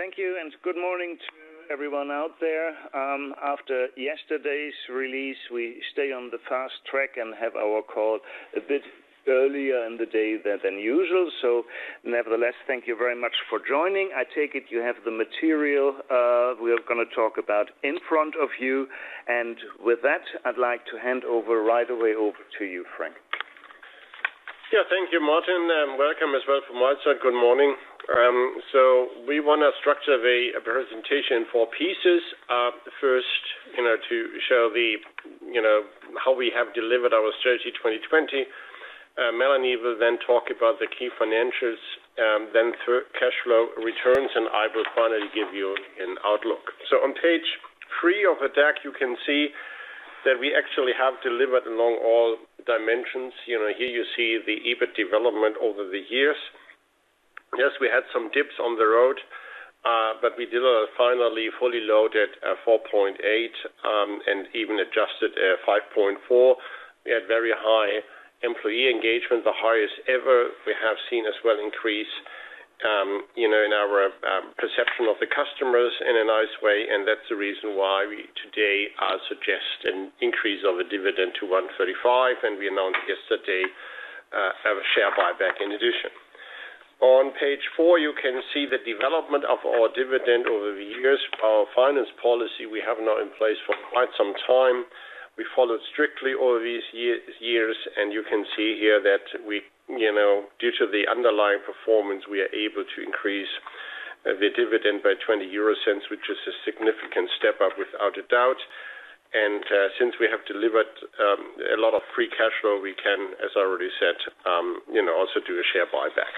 Thank you, good morning to everyone out there. After yesterday's release, we stay on the fast track and have our call a bit earlier in the day than usual. Nevertheless, thank you very much for joining. I take it you have the material we are going to talk about in front of you. With that, I'd like to hand over right away over to you, Frank. Yeah. Thank you, Martin. Welcome as well from my side. Good morning. We want to structure the presentation in four pieces. First, to show how we have delivered our Strategy 2020. Melanie will then talk about the key financials, then cash flow returns, and I will finally give you an outlook. On page three of the deck, you can see that we actually have delivered along all dimensions. Here you see the EBIT development over the years. Yes, we had some dips on the road, but we delivered finally fully loaded 4.8, and even adjusted 5.4. We had very high employee engagement, the highest ever. We have seen as well increase in our perception of the customers in a nice way, and that's the reason why we today are suggesting increase of a dividend to 1.35, and we announced yesterday, have a share buyback in addition. On page four, you can see the development of our dividend over the years. Our finance policy we have now in place for quite some time. We followed strictly all these years. You can see here that due to the underlying performance, we are able to increase the dividend by 0.20, which is a significant step up without a doubt. Since we have delivered a lot of free cash flow, we can, as I already said, also do a share buyback.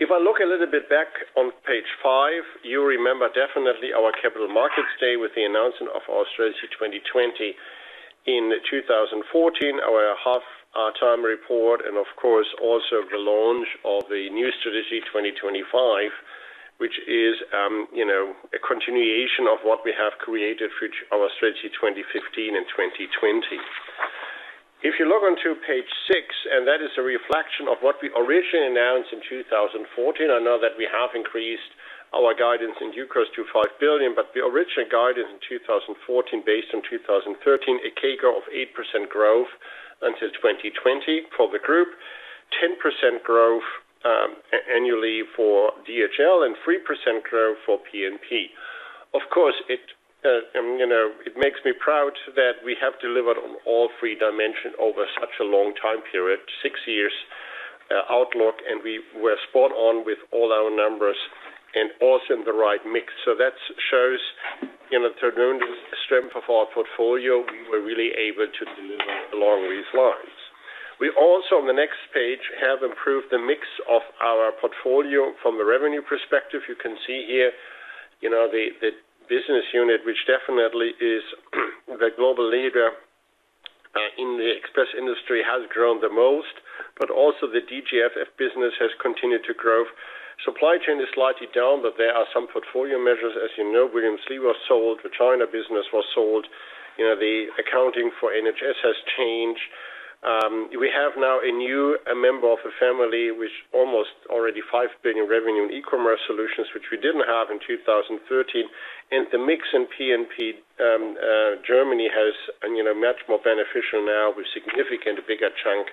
If I look a little bit back on page five, you remember definitely our Capital Markets Day with the announcement of our Strategy 2020 in 2014, our half-time report, and of course, also the launch of the new Strategy 2025, which is a continuation of what we have created through our Strategy 2015 and 2020. If you look onto page six, that is a reflection of what we originally announced in 2014. I know that we have increased our guidance in 5 billion, the original guidance in 2014, based on 2013, a CAGR of 8% growth until 2020 for the group, 10% growth annually for DHL, and 3% growth for P&P. Of course, it makes me proud that we have delivered on all three dimensions over such a long time period, six years outlook, and we were spot on with all our numbers and also in the right mix. That shows tremendous strength of our portfolio. We were really able to deliver along these lines. We also, on the next page, have improved the mix of our portfolio from a revenue perspective. You can see here, the business unit, which definitely is the global leader in the express industry, has grown the most, but also the DGF business has continued to grow. Supply Chain is slightly down, but there are some portfolio measures. As you know, Williams Lea was sold, the China business was sold. The accounting for NHS has changed. We have now a new member of a family, which almost already $5 billion revenue in eCommerce Solutions, which we didn't have in 2013. The mix in P&P, Germany has much more beneficial now with significant bigger chunk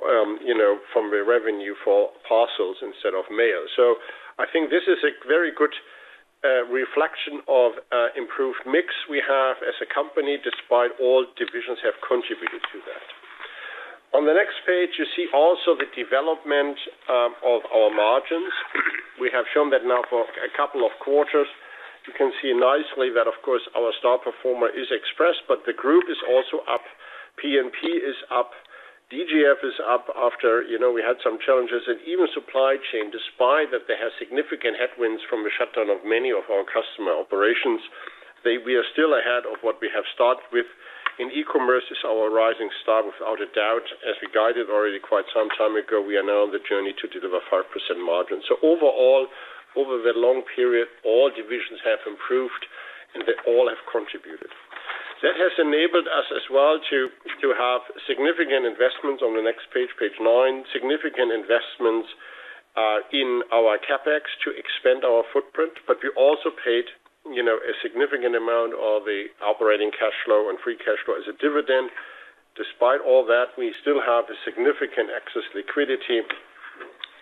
from the revenue for parcels instead of mail. I think this is a very good reflection of improved mix we have as a company, despite all divisions have contributed to that. On the next page, you see also the development of our margins. We have shown that now for a couple of quarters. You can see nicely that, of course, our star performer is Express, but the group is also up. P&P is up. DGF is up after we had some challenges. Even Supply Chain, despite that they have significant headwinds from the shutdown of many of our customer operations, we are still ahead of what we have started with. e-commerce is our rising star without a doubt. As we guided already quite some time ago, we are now on the journey to deliver 5% margin. Overall, over the long period, all divisions have improved and they all have contributed. That has enabled us as well to have significant investments on the next page nine, significant investments in our CapEx to expand our footprint, but we also paid a significant amount of the operating cash flow and free cash flow as a dividend. Despite all that, we still have a significant excess liquidity,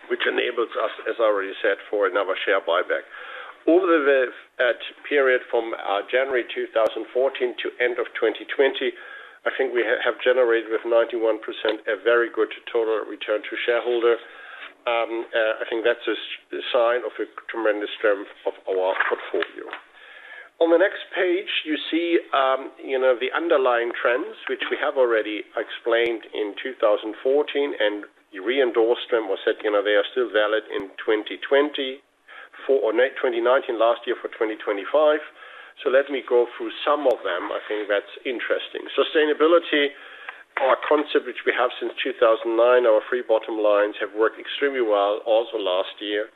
which enables us, as I already said, for another share buyback. Over that period from January 2014 to end of 2020, I think we have generated with 91%, a very good total return to shareholder. I think that's a sign of a tremendous strength of our portfolio. On the next page, you see the underlying trends, which we have already explained in 2014, and reendorsed them or said they are still valid in 2020 or 2019, last year for 2025. Let me go through some of them. I think that's interesting. Sustainability, our concept, which we have since 2009, our three bottom lines have worked extremely well also last year.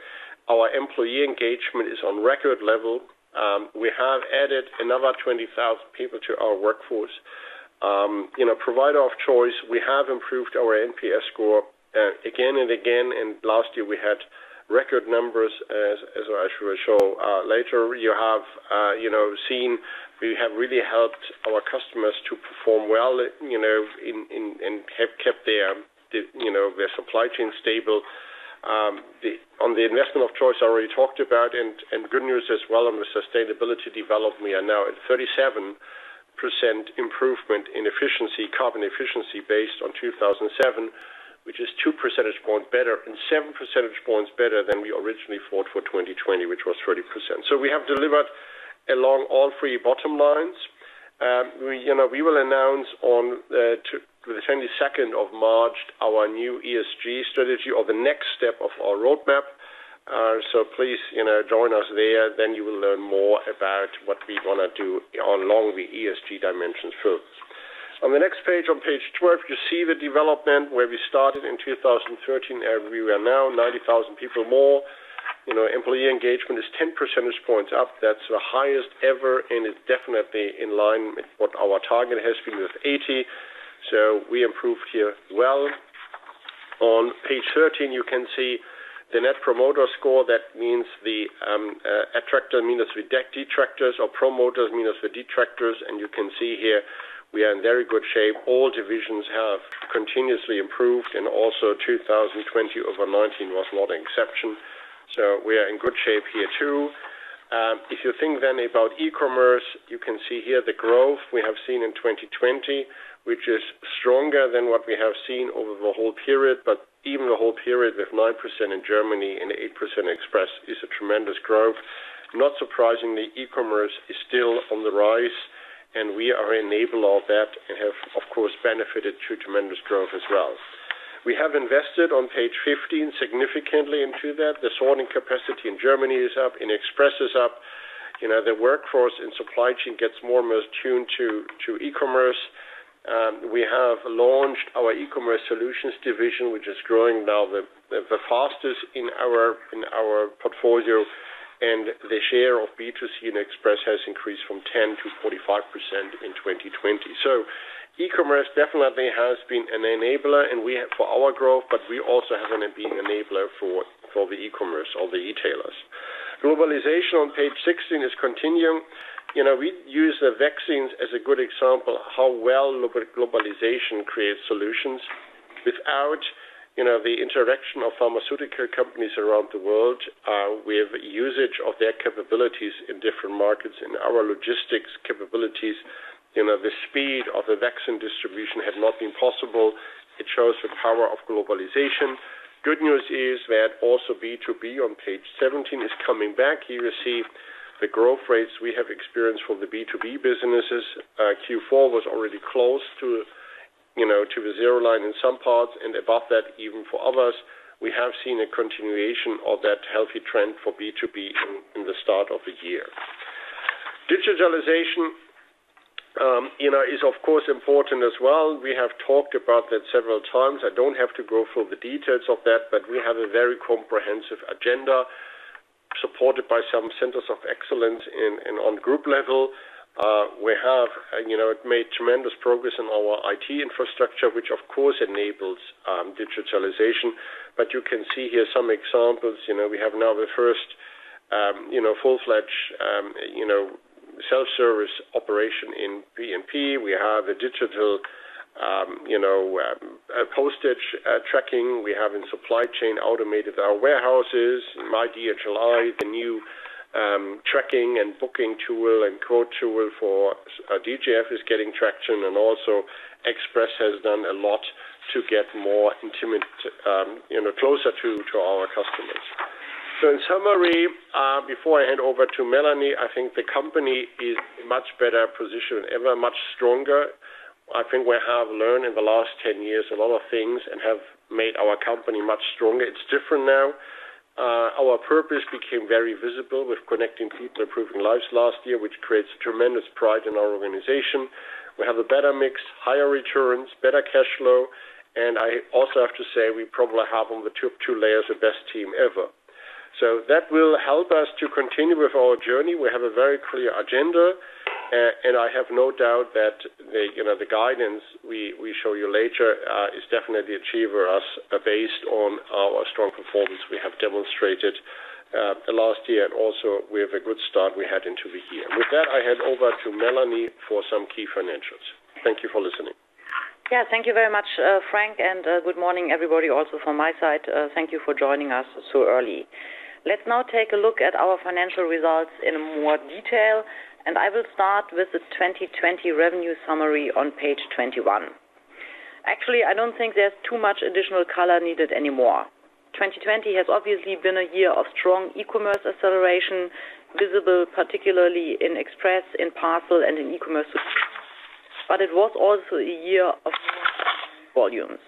Our employee engagement is on record level. We have added another 20,000 people to our workforce. Provider of choice, we have improved our NPS score again and again, and last year we had record numbers, as I will show later. You have seen we have really helped our customers to perform well and have kept their supply chain stable. On the investment of choice, I already talked about and good news as well on the sustainability development, we are now at 37% improvement in efficiency, carbon efficiency based on 2007, which is two percentage points better and seven percentage points better than we originally thought for 2020, which was 30%. We have delivered along all three bottom lines. We will announce on the 22nd of March our new ESG strategy or the next step of our roadmap. Please, join us there, then you will learn more about what we want to do along the ESG dimensions too. On the next page, on page 12, you see the development where we started in 2013 and where we are now, 90,000 people more. Employee engagement is 10 percentage points up. That's the highest ever and is definitely in line with what our target has been with 80. We improved here well. On page 13, you can see the Net Promoter Score. That means the attractor minus the detractors or promoters minus the detractors, you can see here we are in very good shape. All divisions have continuously improved 2020 over '19 was not an exception. We are in good shape here too. If you think about e-commerce, you can see here the growth we have seen in 2020, which is stronger than what we have seen over the whole period, even the whole period with 9% in Germany and 8% Express is a tremendous growth. Not surprisingly, e-commerce is still on the rise, we enable all that and have, of course, benefited through tremendous growth as well. We have invested, on page 15, significantly into that. The sorting capacity in Germany is up, in Express is up. The workforce and Supply Chain gets more and more tuned to e-commerce. We have launched our eCommerce Solutions division, which is growing now the fastest in our portfolio, the share of B2C and Express has increased from 10% to 45% in 2020. E-commerce definitely has been an enabler for our growth, we also have been an enabler for the e-commerce or the e-tailers. Globalization on page 16 is continuing. We use the vaccines as a good example, how well globalization creates solutions. Without the interaction of pharmaceutical companies around the world, we have usage of their capabilities in different markets. In our logistics capabilities, the speed of the vaccine distribution had not been possible. It shows the power of globalization. Good news is that also B2B on page 17 is coming back. You receive the growth rates we have experienced from the B2B businesses. Q4 was already close to the zero line in some parts and above that, even for others. We have seen a continuation of that healthy trend for B2B in the start of the year. Digitalization is, of course, important as well. We have talked about that several times. I don't have to go through the details of that, but we have a very comprehensive agenda supported by some centers of excellence and on group level. We have made tremendous progress in our IT infrastructure, which of course enables digitalization. You can see here some examples. We have now the first full-fledged self-service operation in P&P. We have a digital postage tracking. We have in Supply Chain automated our warehouses. myDHLi, the new tracking and booking tool and quote tool for DGF is getting traction, and also Express has done a lot to get more closer to our customers. In summary, before I hand over to Melanie, I think the company is in much better position ever, much stronger. I think we have learned in the last 10 years a lot of things and have made our company much stronger. It's different now. Our purpose became very visible with connecting people, improving lives last year, which creates tremendous pride in our organization. We have a better mix, higher returns, better cash flow. I also have to say we probably have on the two layers the best team ever. That will help us to continue with our journey. We have a very clear agenda. I have no doubt that the guidance we show you later is definitely achievable based on our strong performance we have demonstrated last year and also we have a good start we had into the year. With that, I hand over to Melanie for some key financials. Thank you for listening. Thank you very much, Frank, and good morning everybody also from my side. Thank you for joining us so early. Let's now take a look at our financial results in more detail, and I will start with the 2020 revenue summary on page 21. Actually, I don't think there's too much additional color needed anymore. 2020 has obviously been a year of strong e-commerce acceleration, visible particularly in Express, in Parcel, and in eCommerce Solutions. It was also a year of more volumes.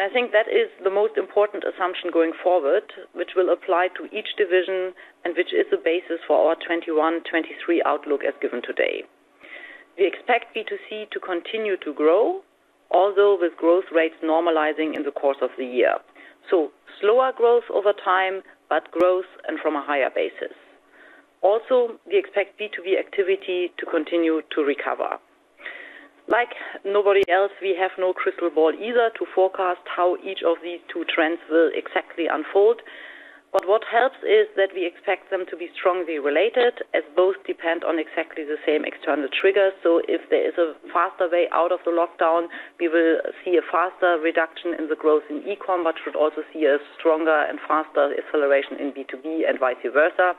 I think that is the most important assumption going forward, which will apply to each division and which is the basis for our 2021, 2023 outlook as given today. We expect B2C to continue to grow, although with growth rates normalizing in the course of the year. Slower growth over time, but growth and from a higher basis. We expect B2B activity to continue to recover. Like nobody else, we have no crystal ball either to forecast how each of these two trends will exactly unfold. What helps is that we expect them to be strongly related, as both depend on exactly the same external triggers. If there is a faster way out of the lockdown, we will see a faster reduction in the growth in e-com, but should also see a stronger and faster acceleration in B2B and vice versa.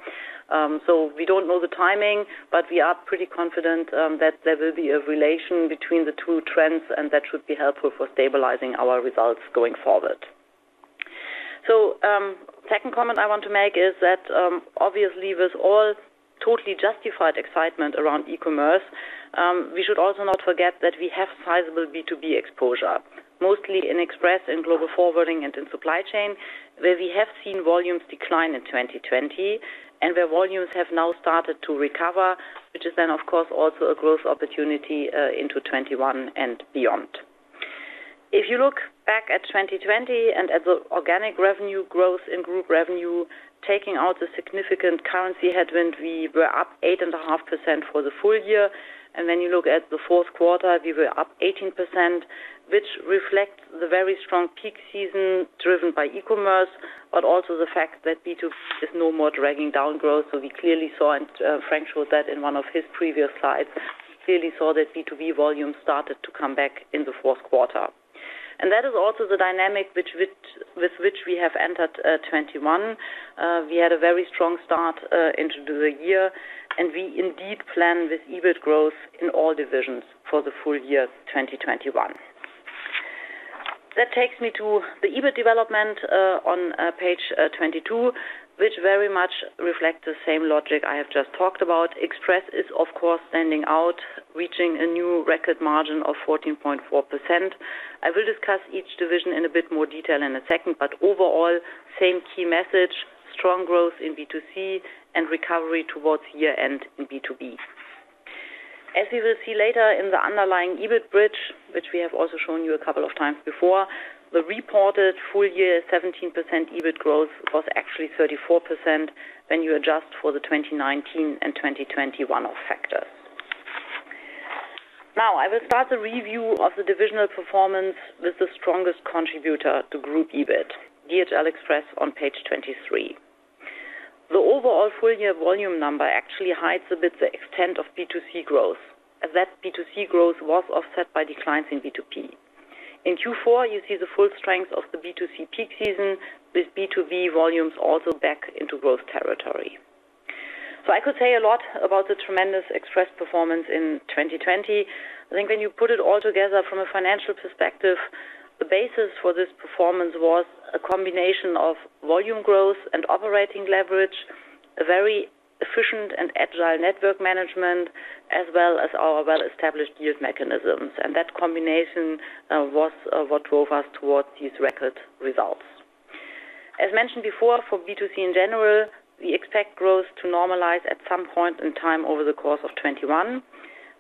We don't know the timing, we are pretty confident that there will be a relation between the two trends, and that should be helpful for stabilizing our results going forward. Second comment I want to make is that, obviously, with all totally justified excitement around e-commerce, we should also not forget that we have sizable B2B exposure, mostly in Express and Global Forwarding and in Supply Chain, where we have seen volumes decline in 2020 and where volumes have now started to recover, which is then of course, also a growth opportunity into 2021 and beyond. If you look back at 2020 and at the organic revenue growth in Group revenue, taking out the significant currency headwind, we were up 8.5% for the full year. When you look at the fourth quarter, we were up 18%, which reflects the very strong peak season driven by e-commerce, but also the fact that B2B is no more dragging down growth. We clearly saw, and Frank showed that in one of his previous slides, clearly saw that B2B volume started to come back in the fourth quarter. That is also the dynamic with which we have entered 2021. We had a very strong start into the year, and we indeed plan this EBIT growth in all divisions for the full year 2021. That takes me to the EBIT development on page 22, which very much reflects the same logic I have just talked about. Express is, of course, standing out, reaching a new record margin of 14.4%. I will discuss each division in a bit more detail in a second, but overall, same key message, strong growth in B2C and recovery towards year-end in B2B. As you will see later in the underlying EBIT bridge, which we have also shown you a couple of times before, the reported full year 17% EBIT growth was actually 34% when you adjust for the 2019 and 2020 one-off factors. I will start the review of the divisional performance with the strongest contributor to group EBIT, DHL Express on page 23. The overall full year volume number actually hides a bit the extent of B2C growth, as that B2C growth was offset by declines in B2B. In Q4, you see the full strength of the B2C peak season, with B2B volumes also back into growth territory. I could say a lot about the tremendous Express performance in 2020. I think when you put it all together from a financial perspective, the basis for this performance was a combination of volume growth and operating leverage, a very efficient and agile network management, as well as our well-established yield mechanisms. That combination was what drove us towards these record results. As mentioned before, for B2C in general, we expect growth to normalize at some point in time over the course of 2021,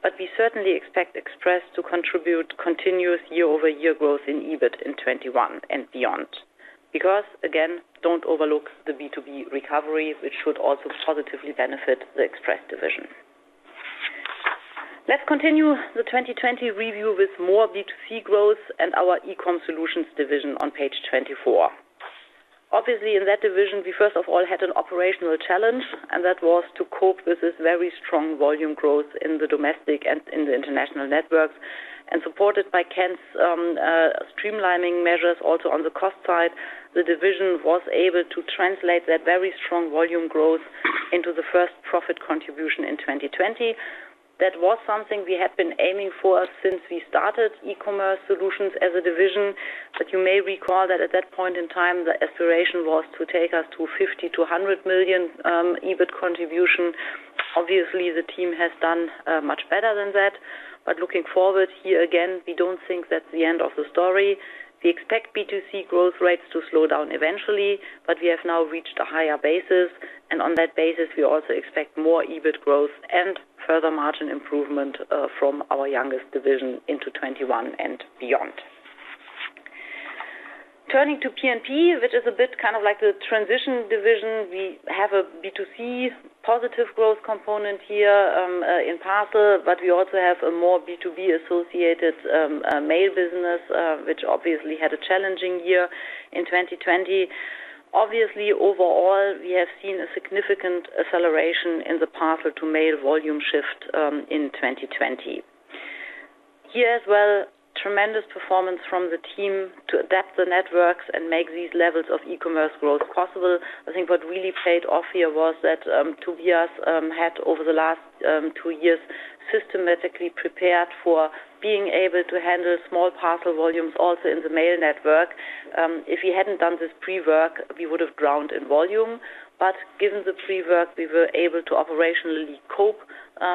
but we certainly expect Express to contribute continuous year-over-year growth in EBIT in 2021 and beyond. Again, don't overlook the B2B recovery, which should also positively benefit the Express division. Let's continue the 2020 review with more B2C growth and our eCommerce Solutions division on page 24. Obviously, in that division, we first of all, had an operational challenge, and that was to cope with this very strong volume growth in the domestic and in the international networks. Supported by Ken's streamlining measures also on the cost side, the division was able to translate that very strong volume growth into the first profit contribution in 2020. That was something we had been aiming for since we started eCommerce Solutions as a division. You may recall that at that point in time, the aspiration was to take us to 50 million-100 million EBIT contribution. Obviously, the team has done much better than that. Looking forward here again, we don't think that's the end of the story. We expect B2C growth rates to slow down eventually, but we have now reached a higher basis, and on that basis, we also expect more EBIT growth and further margin improvement from our youngest division into 2021 and beyond. Turning to P&P, which is a bit kind of like the transition division. We have a B2C positive growth component here in Parcel, but we also have a more B2B associated Mail business, which obviously had a challenging year in 2020. Overall, we have seen a significant acceleration in the Parcel to Mail volume shift in 2020. Here as well, tremendous performance from the team to adapt the networks and make these levels of e-commerce growth possible. I think what really paid off here was that Tobias had, over the last two years, systematically prepared for being able to handle small parcel volumes also in the Mail network. If he hadn't done this pre-work, we would have drowned in volume. Given the pre-work, we were able to operationally cope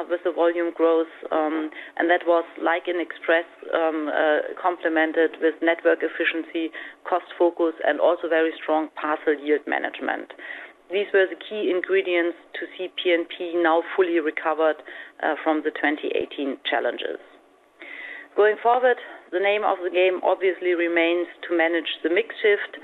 with the volume growth, and that was, like in Express, complemented with network efficiency, cost focus, and also very strong parcel yield management. These were the key ingredients to see P&P now fully recovered from the 2018 challenges. Going forward, the name of the game obviously remains to manage the mix shift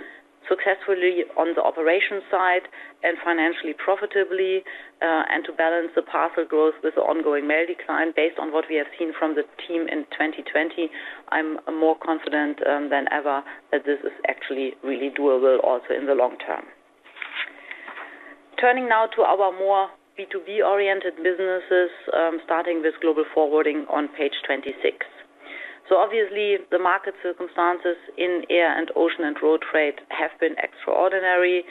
successfully on the operation side and financially profitably, and to balance the parcel growth with the ongoing mail decline. Based on what we have seen from the team in 2020, I'm more confident than ever that this is actually really doable also in the long term. Turning now to our more B2B oriented businesses, starting with Global Forwarding on page 26. Obviously, the market circumstances in air and ocean and road freight have been extraordinary.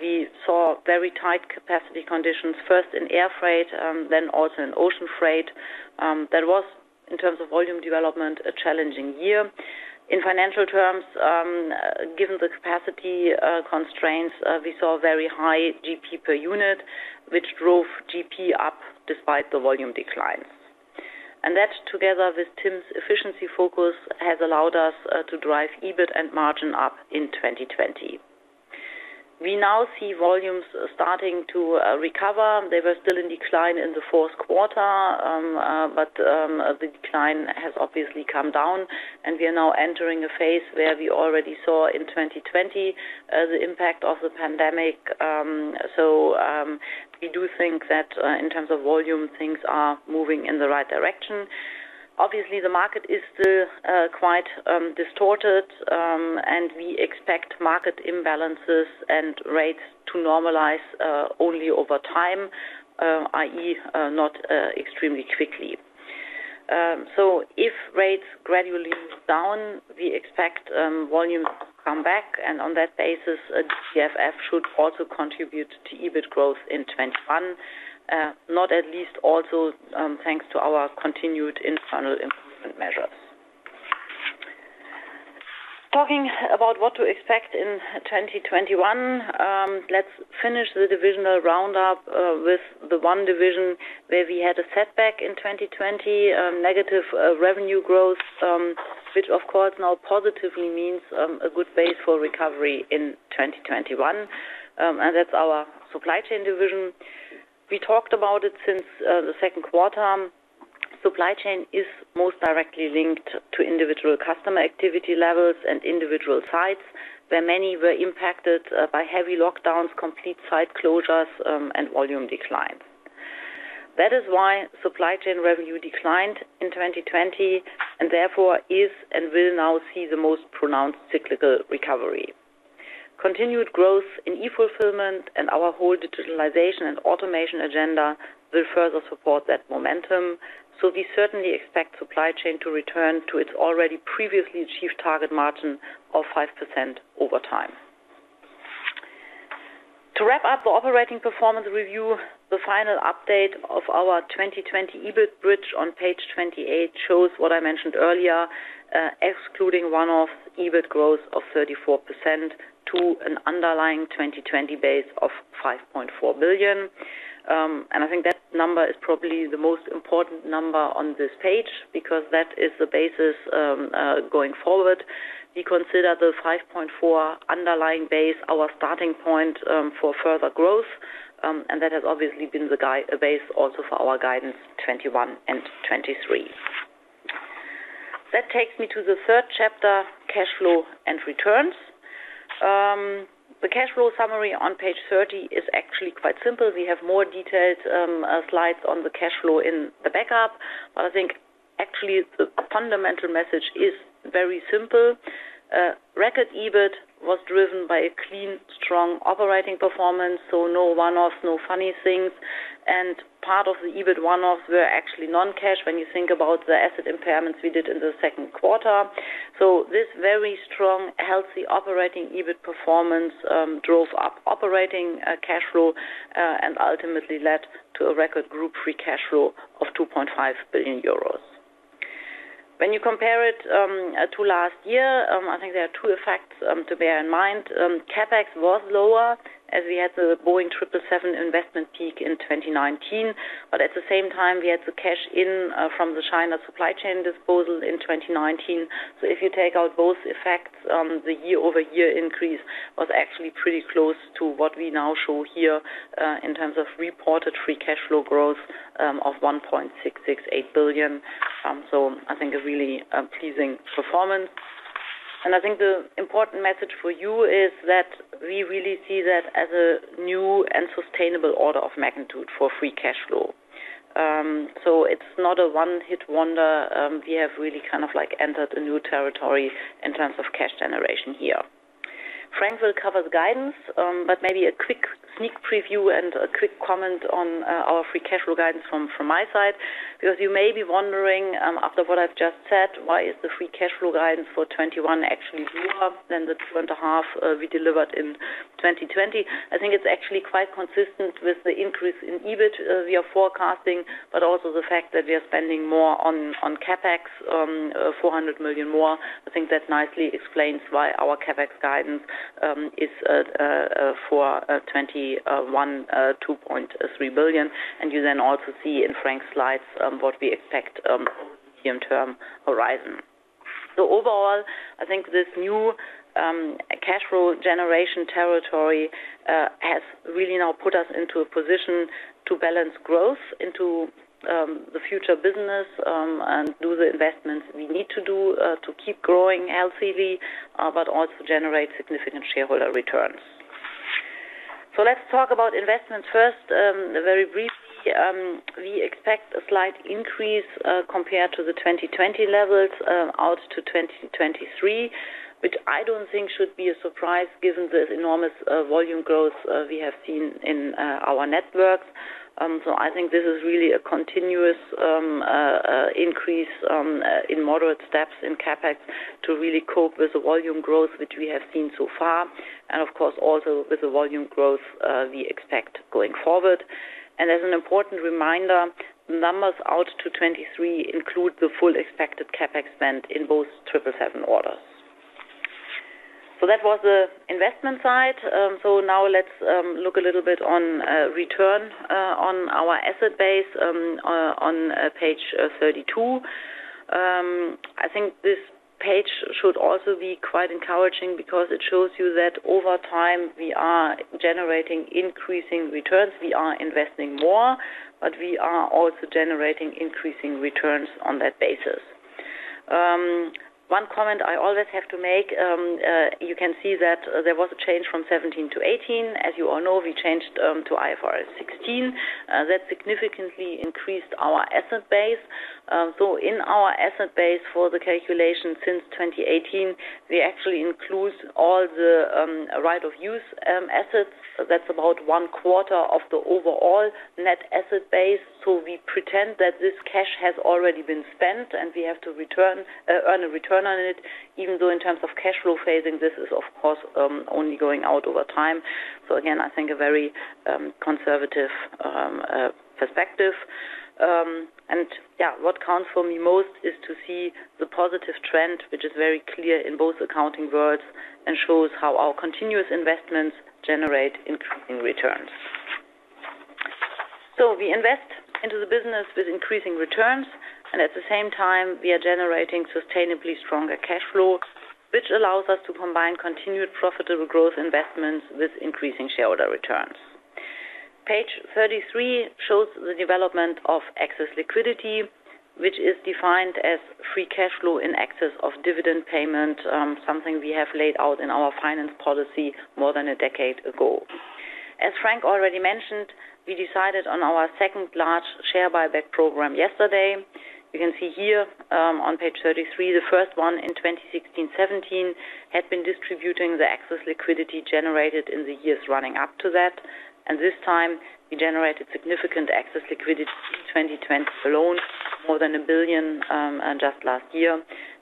We saw very tight capacity conditions, first in air freight, then also in ocean freight. That was, in terms of volume development, a challenging year. In financial terms, given the capacity constraints, we saw very high GP per unit, which drove GP up despite the volume declines. That, together with Tim's efficiency focus, has allowed us to drive EBIT and margin up in 2020. We now see volumes starting to recover. They were still in decline in the fourth quarter, but the decline has obviously come down and we are now entering a phase where we already saw in 2020 the impact of the pandemic. We do think that in terms of volume, things are moving in the right direction. Obviously, the market is still quite distorted, and we expect market imbalances and rates to normalize only over time, i.e., not extremely quickly. If rates gradually move down, we expect volumes to come back, and on that basis, DGF should also contribute to EBIT growth in 2021. Not at least also thanks to our continued internal improvement measures. Talking about what to expect in 2021, let's finish the divisional roundup with the one division where we had a setback in 2020, negative revenue growth, which of course now positively means a good base for recovery in 2021. That's our Supply Chain division. We talked about it since the second quarter. Supply Chain is most directly linked to individual customer activity levels and individual sites, where many were impacted by heavy lockdowns, complete site closures, and volume declines. That is why Supply Chain revenue declined in 2020, and therefore is and will now see the most pronounced cyclical recovery. Continued growth in e-fulfillment and our whole digitalization and automation agenda will further support that momentum. We certainly expect Supply Chain to return to its already previously achieved target margin of 5% over time. To wrap up the operating performance review, the final update of our 2020 EBIT bridge on page 28 shows what I mentioned earlier, excluding one-off EBIT growth of 34% to an underlying 2020 base of 5.4 billion. I think that number is probably the most important number on this page because that is the basis going forward. We consider the 5.4 underlying base our starting point for further growth, and that has obviously been the base also for our guidance 2021 and 2023. That takes me to the third chapter, cash flow and returns. The cash flow summary on page 30 is actually quite simple. We have more detailed slides on the cash flow in the backup, I think actually the fundamental message is very simple. Record EBIT was driven by a clean, strong operating performance, no one-offs, no funny things. Part of the EBIT one-offs were actually non-cash when you think about the asset impairments we did in the second quarter. This very strong, healthy operating EBIT performance drove up operating cash flow, and ultimately led to a record group free cash flow of 2.5 billion euros. When you compare it to last year, I think there are two effects to bear in mind. CapEx was lower as we had the Boeing 777 investment peak in 2019. At the same time, we had to cash in from the China Supply Chain disposal in 2019. If you take out both effects, the year-over-year increase was actually pretty close to what we now show here in terms of reported free cash flow growth of 1.668 billion. I think a really pleasing performance. I think the important message for you is that we really see that as a new and sustainable order of magnitude for free cash flow. It's not a one-hit wonder. We have really entered a new territory in terms of cash generation here. Frank will cover the guidance, but maybe a quick sneak preview and a quick comment on our free cash flow guidance from my side, because you may be wondering, after what I've just said, why is the free cash flow guidance for 2021 actually lower than the two and a half we delivered in 2020? I think it's actually quite consistent with the increase in EBIT we are forecasting, but also the fact that we are spending more on CapEx, 400 million more. I think that nicely explains why our CapEx guidance is for 2021, 2.3 billion. You then also see in Frank's slides what we expect medium-term horizon. Overall, I think this new cash flow generation territory has really now put us into a position to balance growth into the future business and do the investments we need to do to keep growing healthily, but also generate significant shareholder returns. Let's talk about investments first, very briefly. We expect a slight increase compared to the 2020 levels out to 2023, which I don't think should be a surprise given the enormous volume growth we have seen in our networks. I think this is really a continuous increase in moderate steps in CapEx to really cope with the volume growth, which we have seen so far. Of course, also with the volume growth we expect going forward. As an important reminder, numbers out to 2023 include the full expected CapEx spend in both 777 orders. That was the investment side. Now let's look a little bit on return on our asset base on page 32. I think this page should also be quite encouraging because it shows you that over time we are generating increasing returns. We are investing more, but we are also generating increasing returns on that basis. One comment I always have to make, you can see that there was a change from 2017 to 2018. As you all know, we changed to IFRS 16. That significantly increased our asset base. In our asset base for the calculation since 2018, we actually include all the right of use assets. That's about one quarter of the overall net asset base. We pretend that this cash has already been spent and we have to earn a return on it, even though in terms of cash flow phasing, this is of course only going out over time. Again, I think a very conservative perspective. What counts for me most is to see the positive trend, which is very clear in both accounting worlds and shows how our continuous investments generate increasing returns. We invest into the business with increasing returns, and at the same time, we are generating sustainably stronger cash flow, which allows us to combine continued profitable growth investments with increasing shareholder returns. Page 33 shows the development of excess liquidity, which is defined as free cash flow in excess of dividend payment. Something we have laid out in our finance policy more than a decade ago. As Frank already mentioned, we decided on our second large share buyback program yesterday. You can see here, on page 33, the first one in 2016/17, had been distributing the excess liquidity generated in the years running up to that. This time we generated significant excess liquidity in 2020 alone, more than 1 billion, just last year.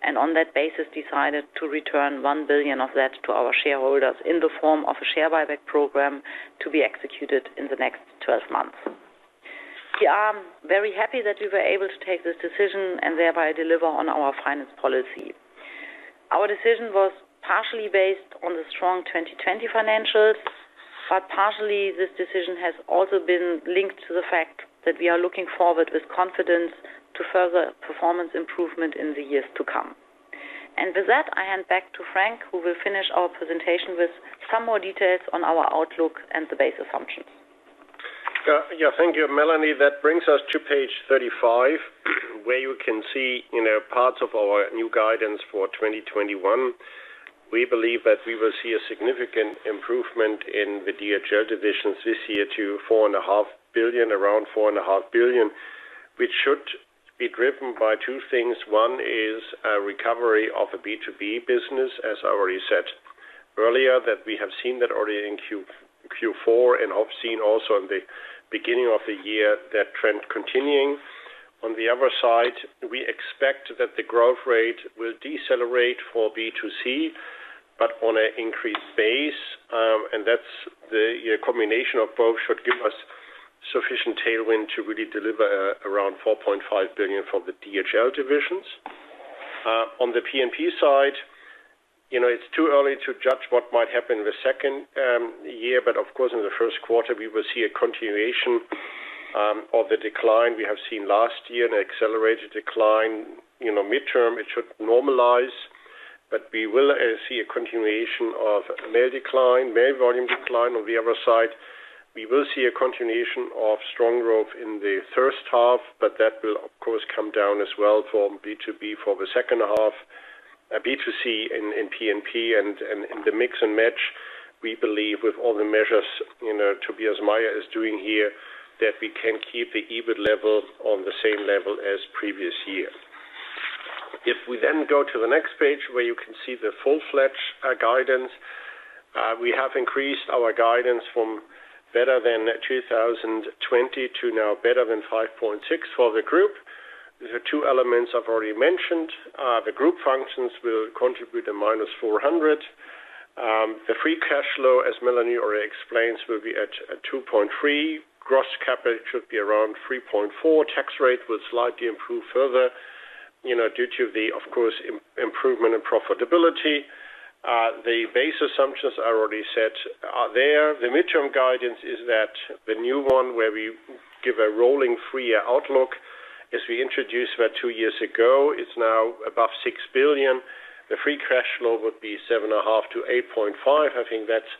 On that basis, decided to return 1 billion of that to our shareholders in the form of a share buyback program to be executed in the next 12 months. We are very happy that we were able to take this decision and thereby deliver on our finance policy. Our decision was partially based on the strong 2020 financials, partially this decision has also been linked to the fact that we are looking forward with confidence to further performance improvement in the years to come. With that, I hand back to Frank, who will finish our presentation with some more details on our outlook and the base assumptions. Thank you, Melanie. That brings us to page 35, where you can see parts of our new guidance for 2021. We believe that we will see a significant improvement in the DHL divisions this year to around 4.5 billion, which should be driven by two things. One is a recovery of the B2B business, as I already said earlier, that we have seen that already in Q4 and have seen also in the beginning of the year that trend continuing. The other side, we expect that the growth rate will decelerate for B2C, but on an increased base. The combination of both should give us sufficient tailwind to really deliver around 4.5 billion for the DHL divisions. On the P&P side, it is too early to judge what might happen the second year, but of course, in the first quarter we will see a continuation of the decline we have seen last year, an accelerated decline. Midterm, it should normalize, but we will see a continuation of mail volume decline. On the other side, we will see a continuation of strong growth in the first half, but that will of course come down as well for B2B for the second half. B2C and P&P and the mix and match, we believe with all the measures Tobias Meyer is doing here, that we can keep the EBIT level on the same level as previous year. We then go to the next page where you can see the full-fledged guidance. We have increased our guidance from better than 2020 to now better than 5.6 for the group. These are two elements I've already mentioned. The group functions will contribute a minus 400 million. The free cash flow, as Melanie already explained, will be at 2.3 billion. Gross CapEx should be around 3.4 billion. Tax rate will slightly improve further, due to the, of course, improvement in profitability. The base assumptions are already set there. The midterm guidance is that the new one where we give a rolling two-year outlook, as we introduced about two years ago, is now above 6 billion. The free cash flow would be 7.5 billion-8.5 billion. I think that's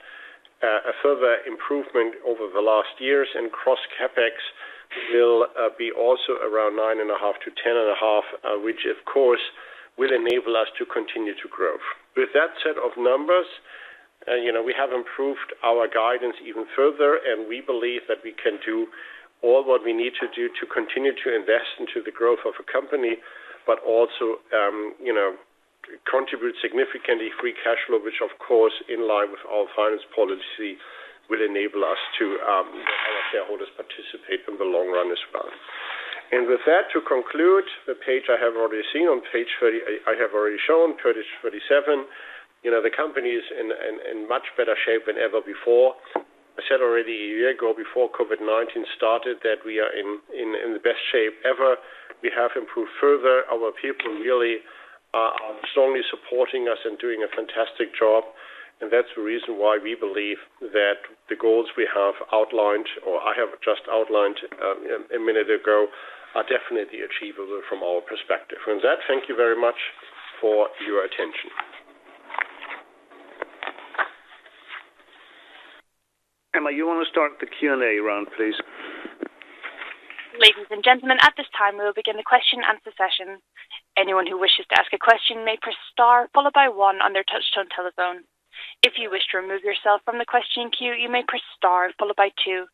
a further improvement over the last years. Gross CapEx will be also around 9.5 billion-10.5 billion, which of course will enable us to continue to grow. With that set of numbers, we have improved our guidance even further and we believe that we can do all what we need to do to continue to invest into the growth of a company, but also contribute significantly free cash flow, which of course in line with our finance policy will enable us to let our shareholders participate in the long run as well. With that, to conclude, the page I have already shown, page 37. The company is in much better shape than ever before. I said already a year ago before COVID-19 started that we are in the best shape ever. We have improved further. Our people really are strongly supporting us and doing a fantastic job and that's the reason why we believe that the goals we have outlined or I have just outlined a minute ago are definitely achievable from our perspective. With that, thank you very much for your attention. Emma, you want to start the Q&A round, please? Ladies and gentlemen, at this time we will begin the question and answer session. Anyone who wishes to ask a question may press star followed by one on their touch-tone telephone. If you wish to remove yourself from the question queue, you may press star followed by two.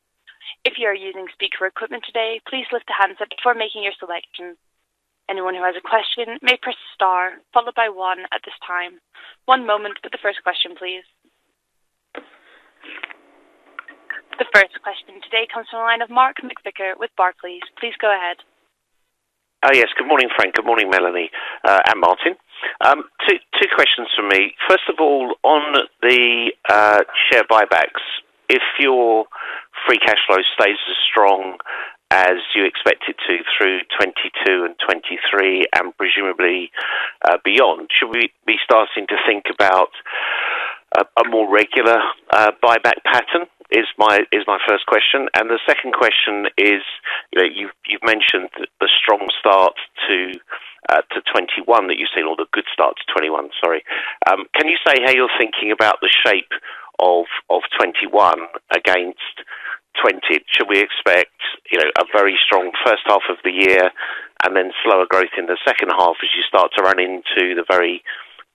If you are using speaker equipment today, please lift the handset before making your selection. Anyone who has a question may press star followed by one at this time. One moment for the first question, please. The first question today comes from the line of Mark McVicar with Barclays. Please go ahead. Yes. Good morning, Frank. Good morning, Melanie and Martin. Two questions from me. First of all, on the share buybacks, if your free cash flow stays as strong as you expect it to through 2022 and 2023 and presumably beyond, should we be starting to think about a more regular buyback pattern? Is my first question. The second question is, you've mentioned the strong start to 2021 that you've seen, or the good start to 2021, sorry. Can you say how you're thinking about the shape of 2021 against 2020? Should we expect a very strong first half of the year and then slower growth in the second half as you start to run into the very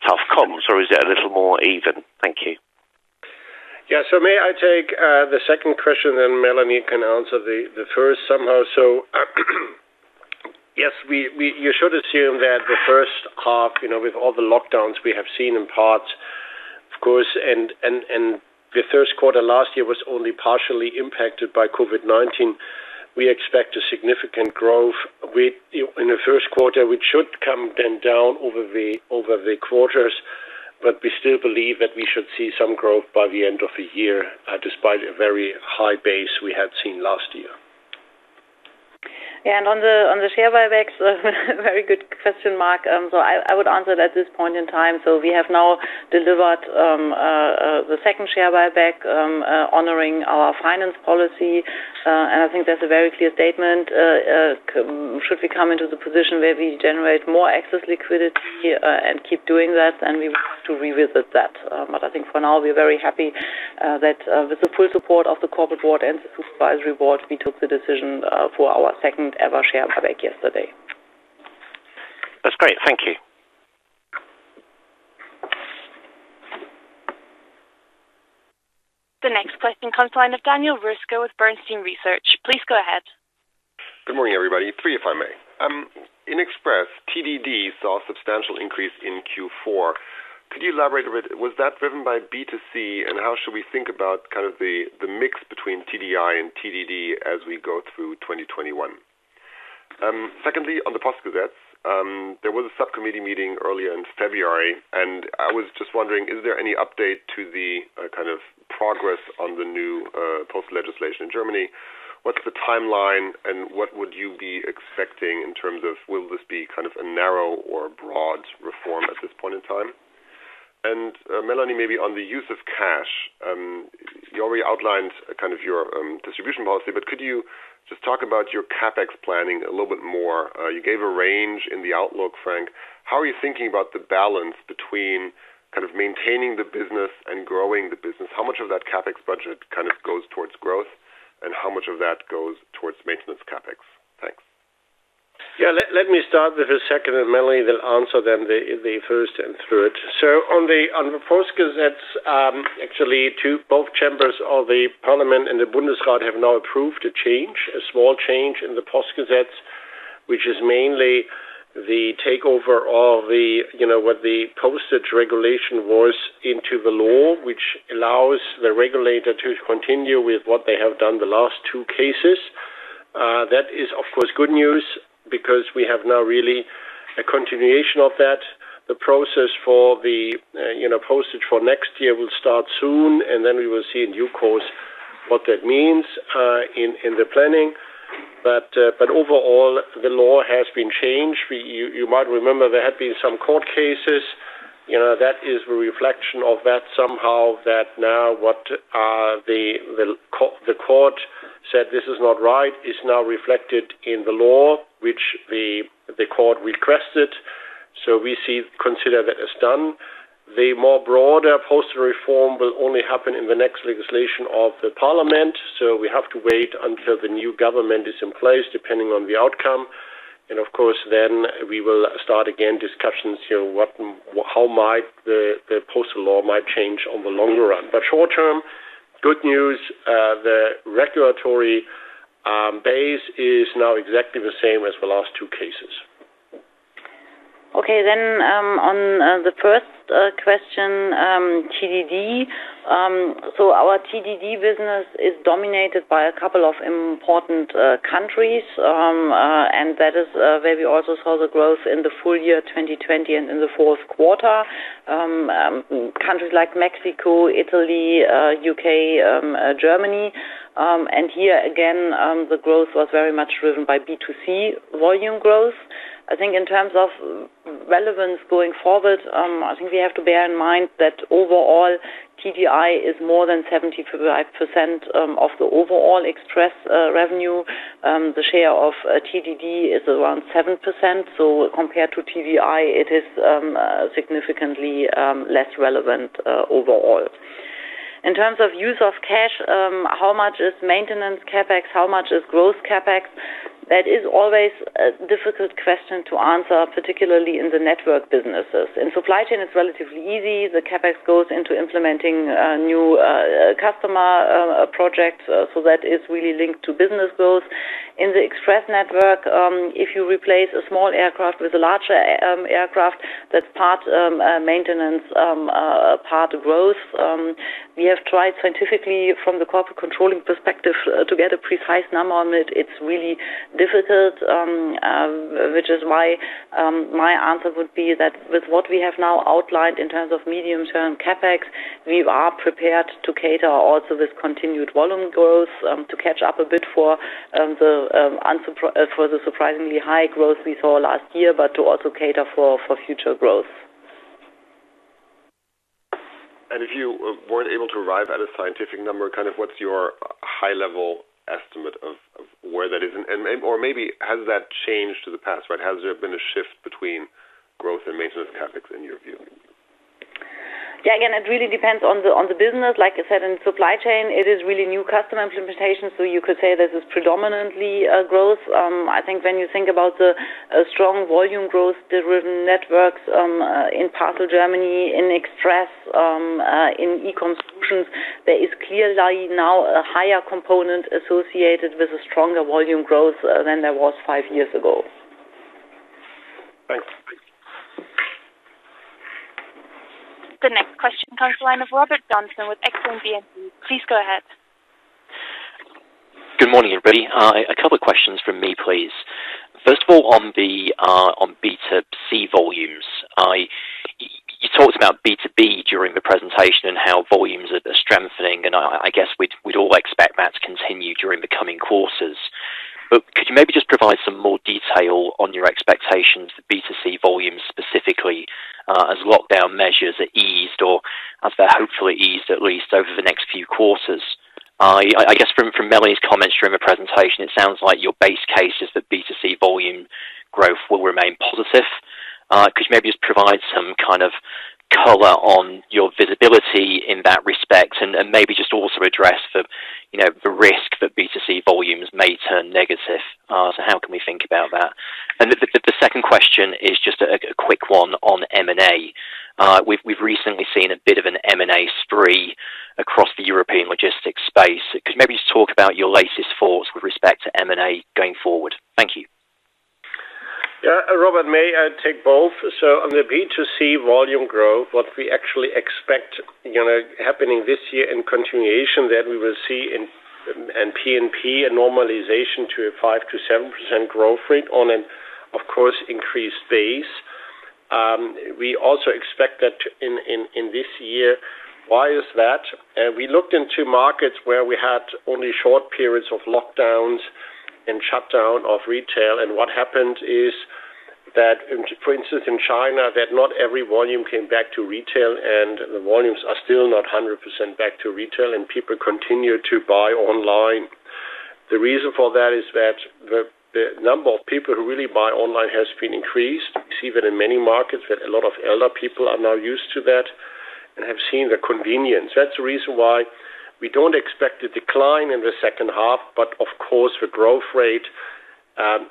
tough comps or is it a little more even? Thank you. Yeah. May I take the second question then Melanie can answer the first somehow? Yes, you should assume that the first half with all the lockdowns we have seen in parts, of course, and the first quarter last year was only partially impacted by COVID-19. We expect a significant growth in the first quarter, which should come then down over the quarters, but we still believe that we should see some growth by the end of the year despite a very high base we had seen last year. ever share buyback yesterday. That's great. Thank you. The next question comes the line of Daniel Roeska with Bernstein Research. Please go ahead. Good morning, everybody. Three, if I may. In Express, TDD saw a substantial increase in Q4. Could you elaborate a bit? Was that driven by B2C? How should we think about kind of the mix between TDI and TDD as we go through 2021? Secondly, on the Postgesetz, there was a subcommittee meeting earlier in February, and I was just wondering, is there any update to the kind of progress on the new post legislation in Germany? What's the timeline and what would you be expecting in terms of will this be kind of a narrow or a broad reform at this point in time? Melanie, maybe on the use of cash. You already outlined kind of your distribution policy, but could you just talk about your CapEx planning a little bit more? You gave a range in the outlook, Frank. How are you thinking about the balance between kind of maintaining the business and growing the business? How much of that CapEx budget kind of goes towards growth and how much of that goes towards maintenance CapEx? Thanks. Yeah. Let me start with the second and Melanie then answer then the first and third. On the Postgesetz, actually two, both chambers of the parliament and the Bundesrat have now approved a change, a small change in the Postgesetz, which is mainly the takeover of what the postage regulation was into the law, which allows the regulator to continue with what they have done the last two cases. That is of course good news because we have now really a continuation of that. The process for the postage for next year will start soon and then we will see in due course what that means in the planning. Overall, the law has been changed. You might remember there had been some court cases. That is a reflection of that somehow that now what the court said, this is not right, is now reflected in the law, which the court requested. We consider that as done. The more broader postal reform will only happen in the next legislation of the parliament. We have to wait until the new government is in place, depending on the outcome. Of course, then we will start again, discussions here, how might the postal law might change on the longer run. Short-term, good news, the regulatory base is now exactly the same as the last two cases. On the first question, TDD. Our TDD business is dominated by a couple of important countries, and that is where we also saw the growth in the full year 2020 and in the fourth quarter. Countries like Mexico, Italy, U.K., Germany. Here again, the growth was very much driven by B2C volume growth. I think in terms of relevance going forward, I think we have to bear in mind that overall TDI is more than 75% of the overall Express revenue. The share of TDD is around 7%. Compared to TDI, it is significantly less relevant overall. In terms of use of cash, how much is maintenance CapEx? How much is growth CapEx? That is always a difficult question to answer, particularly in the network businesses. In Supply Chain, it's relatively easy. The CapEx goes into implementing new customer projects. That is really linked to business goals. In the Express network, if you replace a small aircraft with a larger aircraft, that's part maintenance, part growth. We have tried scientifically from the corporate controlling perspective to get a precise number on it. It's really difficult, which is why my answer would be that with what we have now outlined in terms of medium-term CapEx, we are prepared to cater also this continued volume growth to catch up a bit for the surprisingly high growth we saw last year, but to also cater for future growth. If you weren't able to arrive at a scientific number, what's your high-level estimate of where that is? Maybe has that changed to the past, right? Has there been a shift between growth and maintenance CapEx in your view? Yeah, again, it really depends on the business. Like I said, in Supply Chain, it is really new customer implementation. You could say this is predominantly growth. I think when you think about the strong volume growth-driven networks in Parcel Germany, in Express, in eCommerce Solutions, there is clearly now a higher component associated with a stronger volume growth than there was five years ago. Thanks. The next question comes to line of Robert Johnson with Exane BNP. Please go ahead. Good morning, everybody. A couple questions from me, please. First of all, on B2C volumes. You talked about B2B during the presentation and how volumes are strengthening, and I guess we'd all expect that to continue during the coming courses. Could you maybe just provide some more detail on your expectations for B2C volumes specifically, as lockdown measures are eased, or as they're hopefully eased, at least over the next few quarters? I guess from Melanie's comments during the presentation, it sounds like your base case is that B2C volume growth will remain positive. Could you maybe just provide some kind of color on your visibility in that respect and maybe just also address the risk that B2C volumes may turn negative? How can we think about that? The second question is just a quick one on M&A. We've recently seen a bit of an M&A spree across the European logistics space. Could you maybe just talk about your latest thoughts with respect to M&A going forward? Thank you. Robert, may I take both? On the B2C volume growth, what we actually expect happening this year in continuation that we will see in P&P a normalization to a 5%-7% growth rate on an, of course, increased base. We also expect that in this year. Why is that? We looked into markets where we had only short periods of lockdowns and shutdown of retail, and what happened is that, for instance, in China, that not every volume came back to retail and the volumes are still not 100% back to retail, and people continue to buy online. The reason for that is that the number of people who really buy online has been increased. We see that in many markets, that a lot of elder people are now used to that and have seen the convenience. That's the reason why we don't expect a decline in the second half, but of course, the growth rate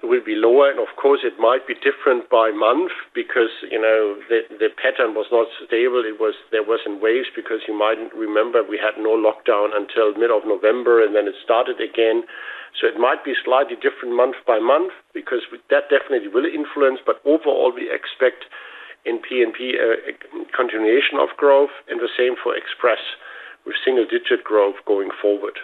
will be lower, and of course, it might be different by month because the pattern was not stable. There was in waves because you might remember we had no lockdown until mid of November, and then it started again. It might be slightly different month by month because that definitely will influence. Overall, we expect in P&P a continuation of growth and the same for Express, with single digit growth going forward.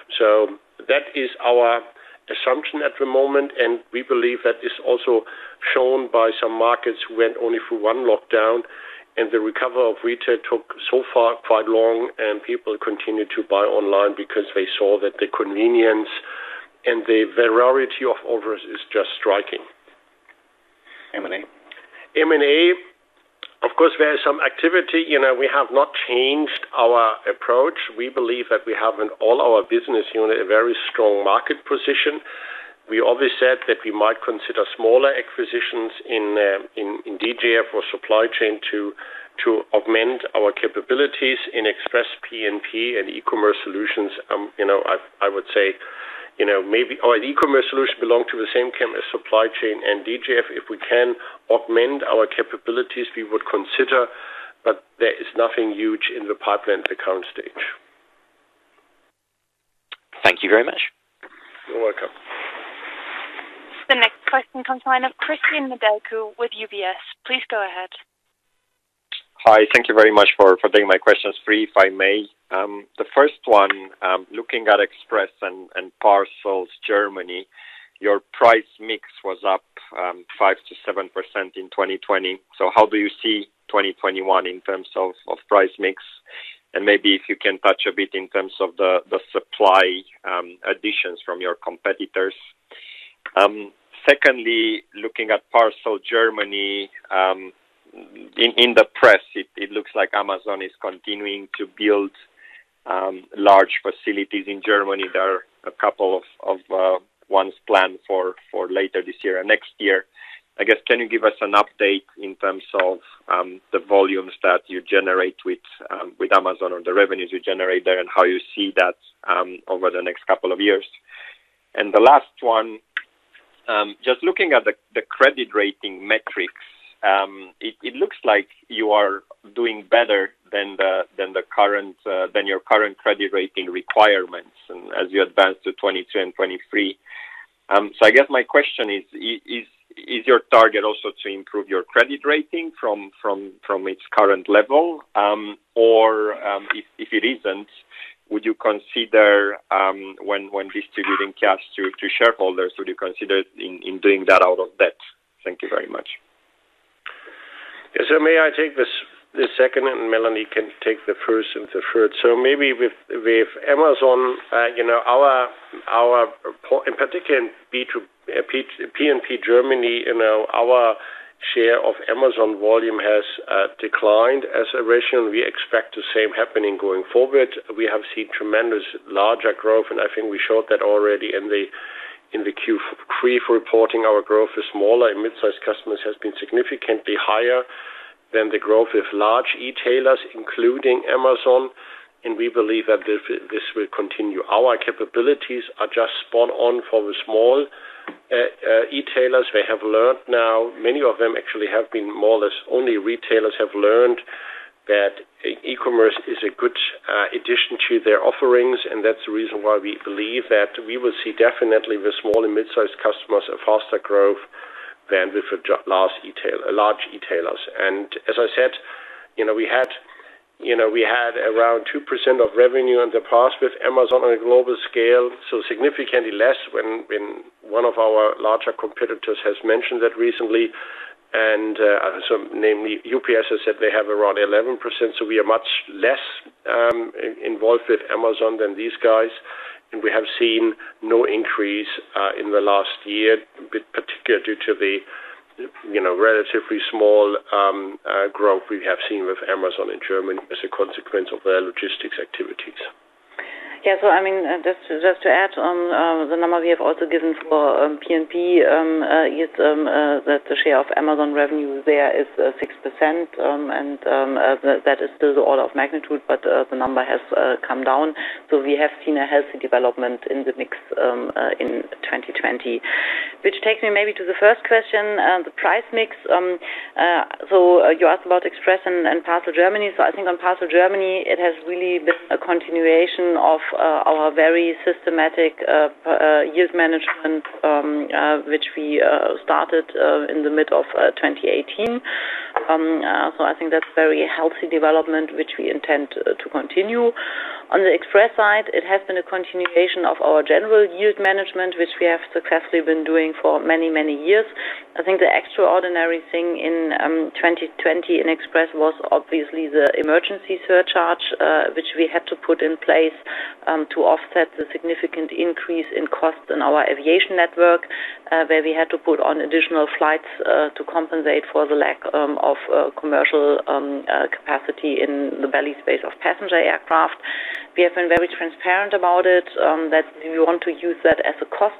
That is our assumption at the moment, and we believe that is also shown by some markets who went only for one lockdown. The recovery of retail took so far, quite long, and people continued to buy online because they saw that the convenience and the variety of offers is just striking. M&A. M&A, of course, there is some activity. We have not changed our approach. We believe that we have, in all our business unit, a very strong market position. We always said that we might consider smaller acquisitions in DGF or Supply Chain to augment our capabilities in Express P&P and eCommerce Solutions. I would say, our eCommerce Solutions belong to the same camp as Supply Chain and DGF. If we can augment our capabilities, we would consider, but there is nothing huge in the pipeline at the current stage. Thank you very much. You're welcome. The next question comes from Cristian Nedelcu with UBS. Please go ahead. Hi. Thank you very much for taking my questions. Three, if I may. The first one, looking at Express and Parcel Germany, your price mix was up 5%-7% in 2020. How do you see 2021 in terms of price mix? Maybe if you can touch a bit in terms of the supply additions from your competitors. Secondly, looking at Parcel Germany. In the press, it looks like Amazon is continuing to build large facilities in Germany. There are a couple of ones planned for later this year and next year. I guess, can you give us an update in terms of the volumes that you generate with Amazon or the revenues you generate there, and how you see that over the next couple of years? The last one, just looking at the credit rating metrics. It looks like you are doing better than your current credit rating requirements, as you advance to 2022 and 2023. I guess my question is your target also to improve your credit rating from its current level? If it isn't, when distributing cash to shareholders, would you consider in doing that out of debt? Thank you very much. Yeah. May I take the second, and Melanie can take the first and the third? Maybe with Amazon, in particular in P&P Germany, our share of Amazon volume has declined as a ratio, and we expect the same happening going forward. We have seen tremendous larger growth, and I think we showed that already in the Q3 reporting. Our growth with smaller and mid-size customers has been significantly higher than the growth with large e-tailers, including Amazon, and we believe that this will continue. Our capabilities are just spot on for the small e-tailers. They have learned now, many of them actually have been more or less only retailers have learned that e-commerce is a good addition to their offerings, and that's the reason why we believe that we will see definitely the small and mid-size customers a faster growth than with large e-tailers. As I said, we had around 2% of revenue in the past with Amazon on a global scale, so significantly less when one of our larger competitors has mentioned that recently. Namely, UPS has said they have around 11%, so we are much less involved with Amazon than these guys. We have seen no increase, in the last year, particularly due to the relatively small growth we have seen with Amazon in Germany as a consequence of their logistics activities. Just to add on, the number we have also given for P&P, is that the share of Amazon revenue there is 6%, and that is still the order of magnitude, but the number has come down. We have seen a healthy development in the mix, in 2020. Which takes me maybe to the first question, the price mix. You asked about Express and parcel Germany. I think on parcel Germany, it has really been a continuation of our very systematic yield management, which we started in the mid of 2018. I think that's very healthy development, which we intend to continue. On the Express side, it has been a continuation of our general yield management, which we have successfully been doing for many, many years. I think the extraordinary thing in 2020 in Express was obviously the emergency surcharge, which we had to put in place, to offset the significant increase in cost in our aviation network. Where we had to put on additional flights to compensate for the lack of commercial capacity in the belly space of passenger aircraft. We have been very transparent about it, that we want to use that as a cost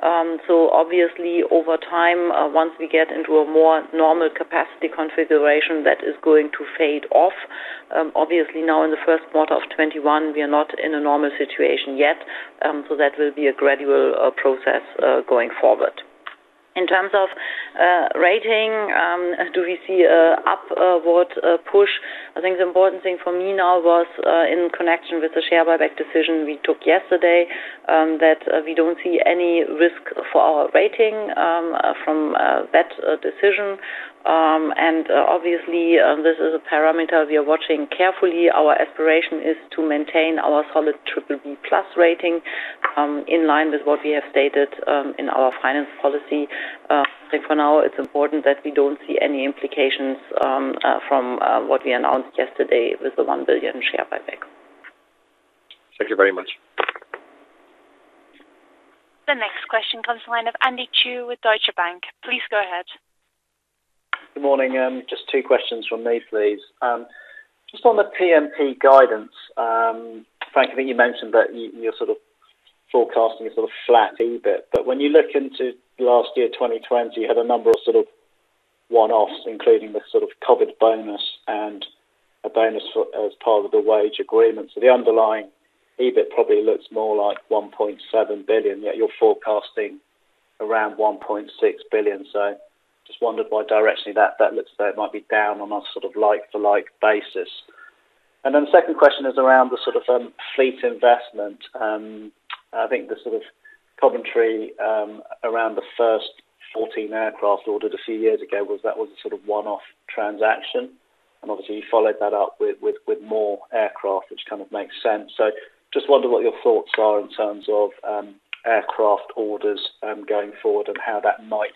offset. Obviously, over time, once we get into a more normal capacity configuration, that is going to fade off. Obviously, now in the first quarter of 2021, we are not in a normal situation yet. That will be a gradual process going forward. In terms of rating, do we see a upward push? I think the important thing for me now was, in connection with the share buyback decision we took yesterday, that we don't see any risk for our rating from that decision. Obviously, this is a parameter we are watching carefully. Our aspiration is to maintain our solid BBB+ rating, in line with what we have stated in our finance policy. I think for now, it's important that we don't see any implications from what we announced yesterday with the 1 billion share buyback. Thank you very much. The next question comes to line of Andy Chu with Deutsche Bank. Please go ahead. Good morning. Just two questions from me, please. Just on the P&P guidance, Frank, I think you mentioned that you're forecasting a flat EBIT, but when you look into last year, 2020, you had a number of one-offs, including the COVID bonus and a bonus as part of the wage agreement. The underlying EBIT probably looks more like 1.7 billion, yet you're forecasting around 1.6 billion. Just wondered why directionally that looks though it might be down on a like-to-like basis. The second question is around the fleet investment. I think the covenant around the first 14 aircraft ordered a few years ago was that was a one-off transaction, and obviously you followed that up with more aircraft, which kind of makes sense. Just wonder what your thoughts are in terms of aircraft orders going forward and how that might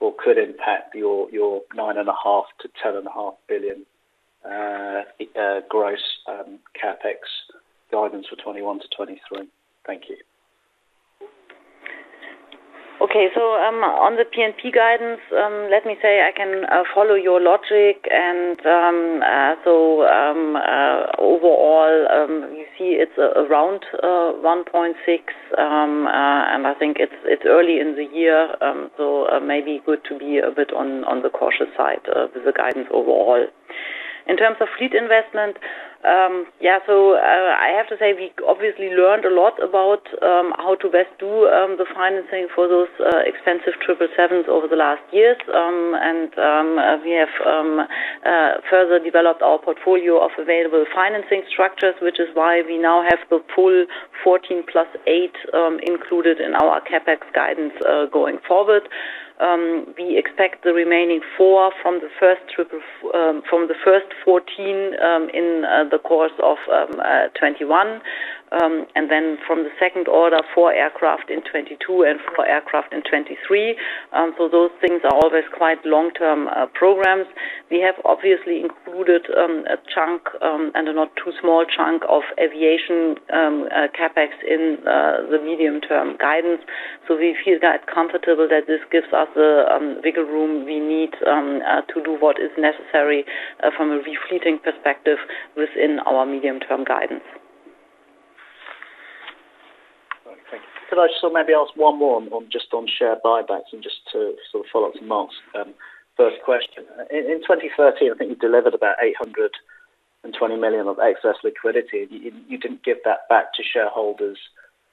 or could impact your 9.5 billion-10.5 billion gross CapEx guidance for 2021 to 2023. Thank you. Okay. On the P&P guidance, let me say I can follow your logic, overall, you see it's around 1.6, I think it's early in the year, may be good to be a bit on the cautious side with the guidance overall. In terms of fleet investment, I have to say we obviously learned a lot about how to best do the financing for those expensive 777s over the last years. We have further developed our portfolio of available financing structures, which is why we now have the full 14 plus eight included in our CapEx guidance going forward. We expect the remaining four from the first 14 in the course of 2021, then from the second order, four aircraft in 2022 and four aircraft in 2023. Those things are always quite long-term programs. We have obviously included a chunk, and a not too small chunk, of aviation CapEx in the medium-term guidance. We feel quite comfortable that this gives us the wiggle room we need to do what is necessary from a refleeting perspective within our medium-term guidance. All right, thank you. Could I just maybe ask one more just on share buybacks and just to follow up to Mark's first question. In 2013, I think you delivered about 820 million of excess liquidity. You didn't give that back to shareholders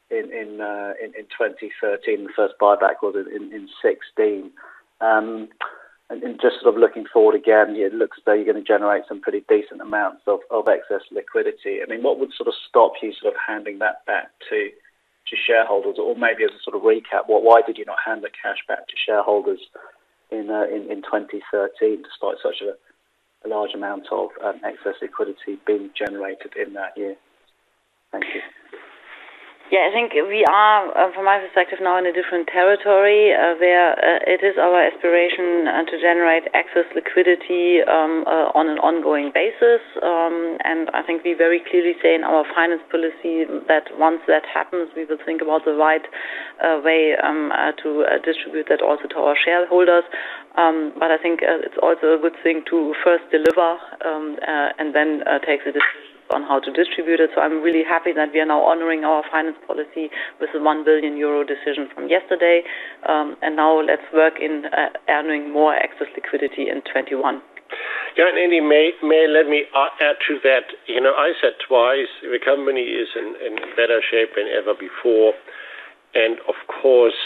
in 2013, the first buyback was in 2016. Just looking forward again, it looks as though you're going to generate some pretty decent amounts of excess liquidity. What would stop you handing that back to shareholders? Maybe as a recap, why did you not hand the cash back to shareholders in 2013, despite such a large amount of excess liquidity being generated in that year? Thank you. Yeah, I think we are, from my perspective now, in a different territory, where it is our aspiration to generate excess liquidity on an ongoing basis. I think we very clearly say in our finance policy that once that happens, we will think about the right way to distribute that also to our shareholders. I think it's also a good thing to first deliver and then take the decision on how to distribute it. I'm really happy that we are now honoring our finance policy with the 1 billion euro decision from yesterday. Now let's work in earning more excess liquidity in 2021. Andy, let me add to that. I said twice, the company is in better shape than ever before, and of course,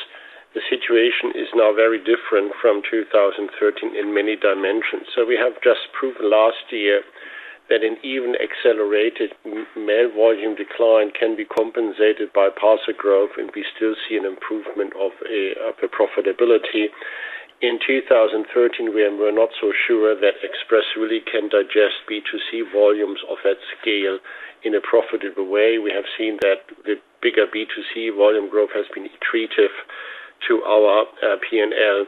the situation is now very different from 2013 in many dimensions. We have just proved last year that an even accelerated mail volume decline can be compensated by parcel growth, and we still see an improvement of the profitability. In 2013, we were not so sure that Express really can digest B2C volumes of that scale in a profitable way. We have seen that the bigger B2C volume growth has been accretive to our P&L.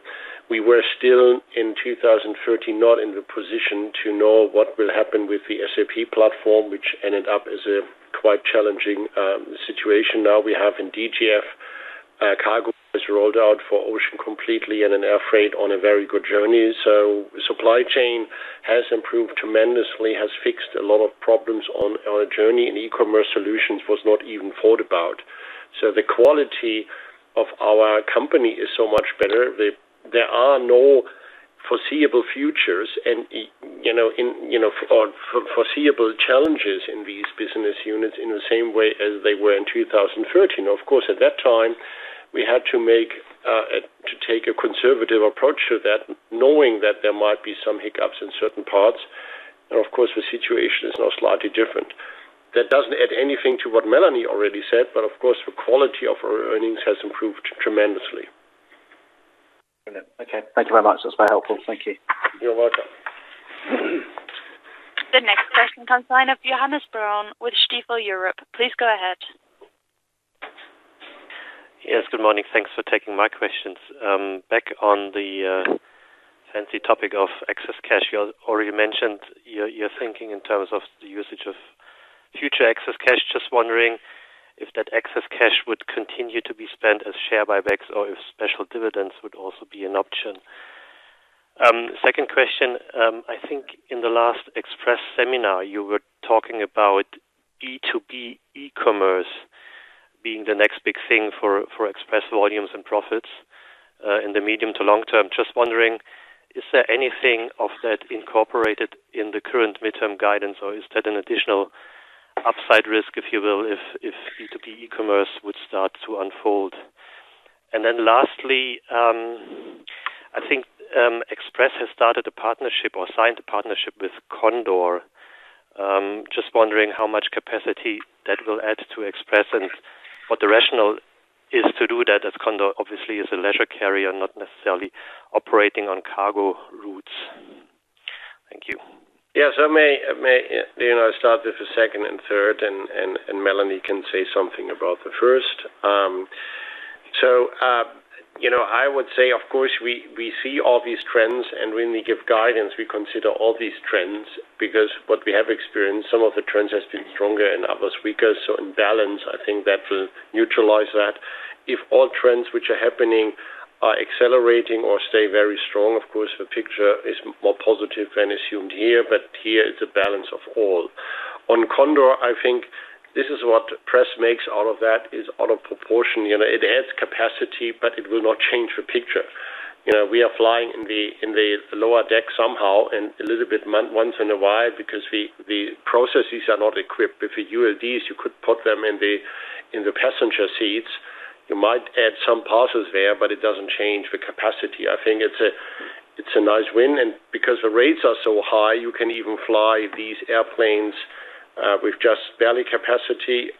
We were still, in 2013, not in the position to know what will happen with the SAP platform, which ended up as a quite challenging situation. We have in DGF, CargoWise rolled out for ocean completely and in air freight on a very good journey. Supply Chain has improved tremendously, has fixed a lot of problems on our journey, and eCommerce Solutions was not even thought about. The quality of our company is so much better. There are no foreseeable futures and foreseeable challenges in these business units in the same way as they were in 2013. Of course, at that time, we had to take a conservative approach to that, knowing that there might be some hiccups in certain parts. Of course, the situation is now slightly different. That doesn't add anything to what Melanie already said, but of course, the quality of our earnings has improved tremendously. Brilliant. Okay. Thank you very much. That's very helpful. Thank you. You're welcome. The next question comes the line of Johannes Braun with Stifel Europe. Please go ahead. Yes. Good morning. Thanks for taking my questions. Back on the fancy topic of excess cash, you already mentioned your thinking in terms of the usage of future excess cash. Just wondering if that excess cash would continue to be spent as share buybacks or if special dividends would also be an option. Second question, I think in the last Express seminar, you were talking about B2B e-commerce being the next big thing for Express volumes and profits in the medium to long term. Just wondering, is there anything of that incorporated in the current midterm guidance or is that an additional upside risk, if you will, if B2B e-commerce would start to unfold? Lastly, I think Express has started a partnership or signed a partnership with Condor. Just wondering how much capacity that will add to Express and what the rationale is to do that, as Condor obviously is a leisure carrier, not necessarily operating on cargo routes. Thank you. I may start with the second and third, and Melanie can say something about the first. I would say, of course, we see all these trends, and when we give guidance, we consider all these trends, because what we have experienced, some of the trends have been stronger and others weaker. In balance, I think that will neutralize that. If all trends which are happening are accelerating or stay very strong, of course, the picture is more positive than assumed here it's a balance of all. On Condor, I think this is what press makes out of that is out of proportion. It adds capacity, it will not change the picture. We are flying in the lower deck somehow and a little bit once in a while because the processes are not equipped. With the ULDs, you could put them in the passenger seats. You might add some parcels there, it doesn't change the capacity. I think it's a nice win, because the rates are so high, you can even fly these airplanes with just belly capacity,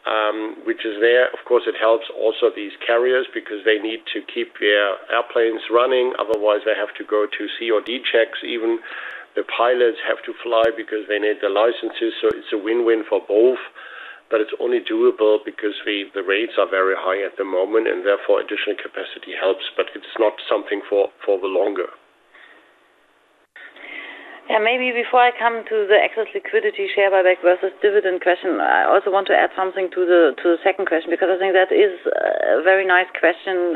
which is there. Of course, it helps also these carriers because they need to keep their airplanes running. Otherwise, they have to go to C or D checks even. The pilots have to fly because they need the licenses. It's a win-win for both, but it's only doable because the rates are very high at the moment and therefore, additional capacity helps, but it's not something for the longer. Maybe before I come to the excess liquidity share buyback versus dividend question, I also want to add something to the second question because I think that is a very nice question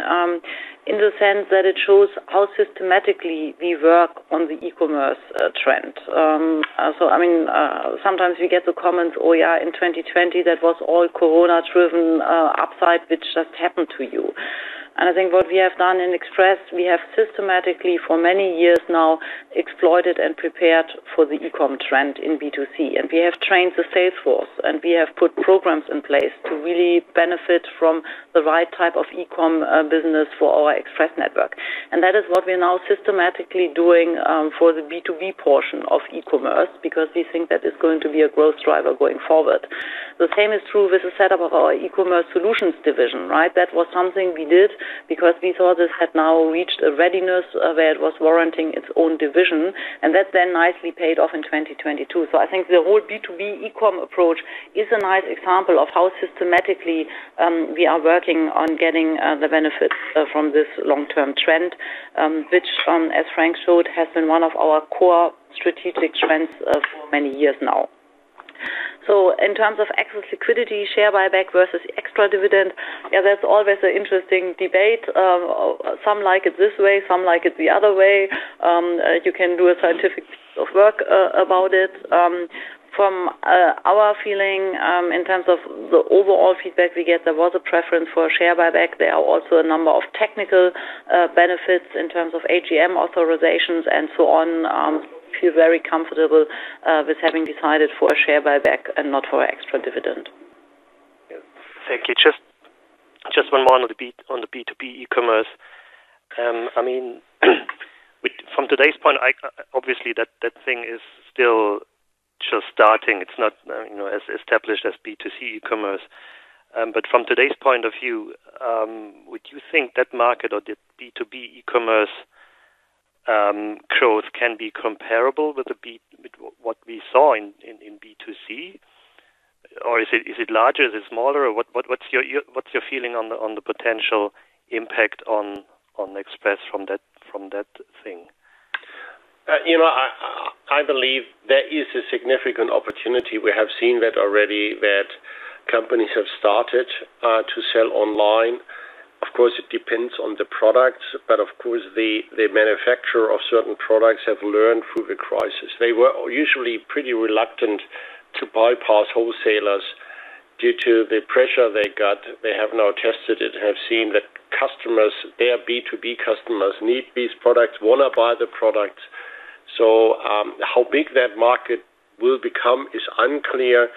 in the sense that it shows how systematically we work on the e-commerce trend. I mean, sometimes we get the comments, "Oh, yeah, in 2020, that was all COVID-driven upside, which just happened to you." I think what we have done in Express, we have systematically for many years now exploited and prepared for the e-com trend in B2C. We have trained the sales force, and we have put programs in place to really benefit from the right type of e-com business for our Express network. That is what we're now systematically doing for the B2B portion of e-commerce, because we think that is going to be a growth driver going forward. The same is true with the setup of our eCommerce Solutions division, right? That was something we did because we saw this had now reached a readiness where it was warranting its own division, and that then nicely paid off in 2022. I think the whole B2B e-com approach is a nice example of how systematically we are working on getting the benefits from this long-term trend, which as Frank showed, has been one of our core strategic trends for many years now. In terms of excess liquidity share buyback versus extra dividend, yeah, that's always an interesting debate. Some like it this way, some like it the other way. You can do a scientific work about it. From our feeling in terms of the overall feedback we get, there was a preference for a share buyback. There are also a number of technical benefits in terms of AGM authorizations and so on. We feel very comfortable with having decided for a share buyback and not for extra dividend. Thank you. Just one more on the B2B e-commerce. From today's point, obviously that thing is still just starting. It's not as established as B2C e-commerce. From today's point of view, would you think that market or the B2B e-commerce growth can be comparable with what we saw in B2C? Is it larger? Is it smaller? What's your feeling on the potential impact on Express from that thing? I believe there is a significant opportunity. We have seen that already that companies have started to sell online. Of course, it depends on the product. Of course, the manufacturer of certain products have learned through the crisis. They were usually pretty reluctant to bypass wholesalers due to the pressure they got. They have now tested it and have seen that their B2B customers need these products, want to buy the products. How big that market will become is unclear,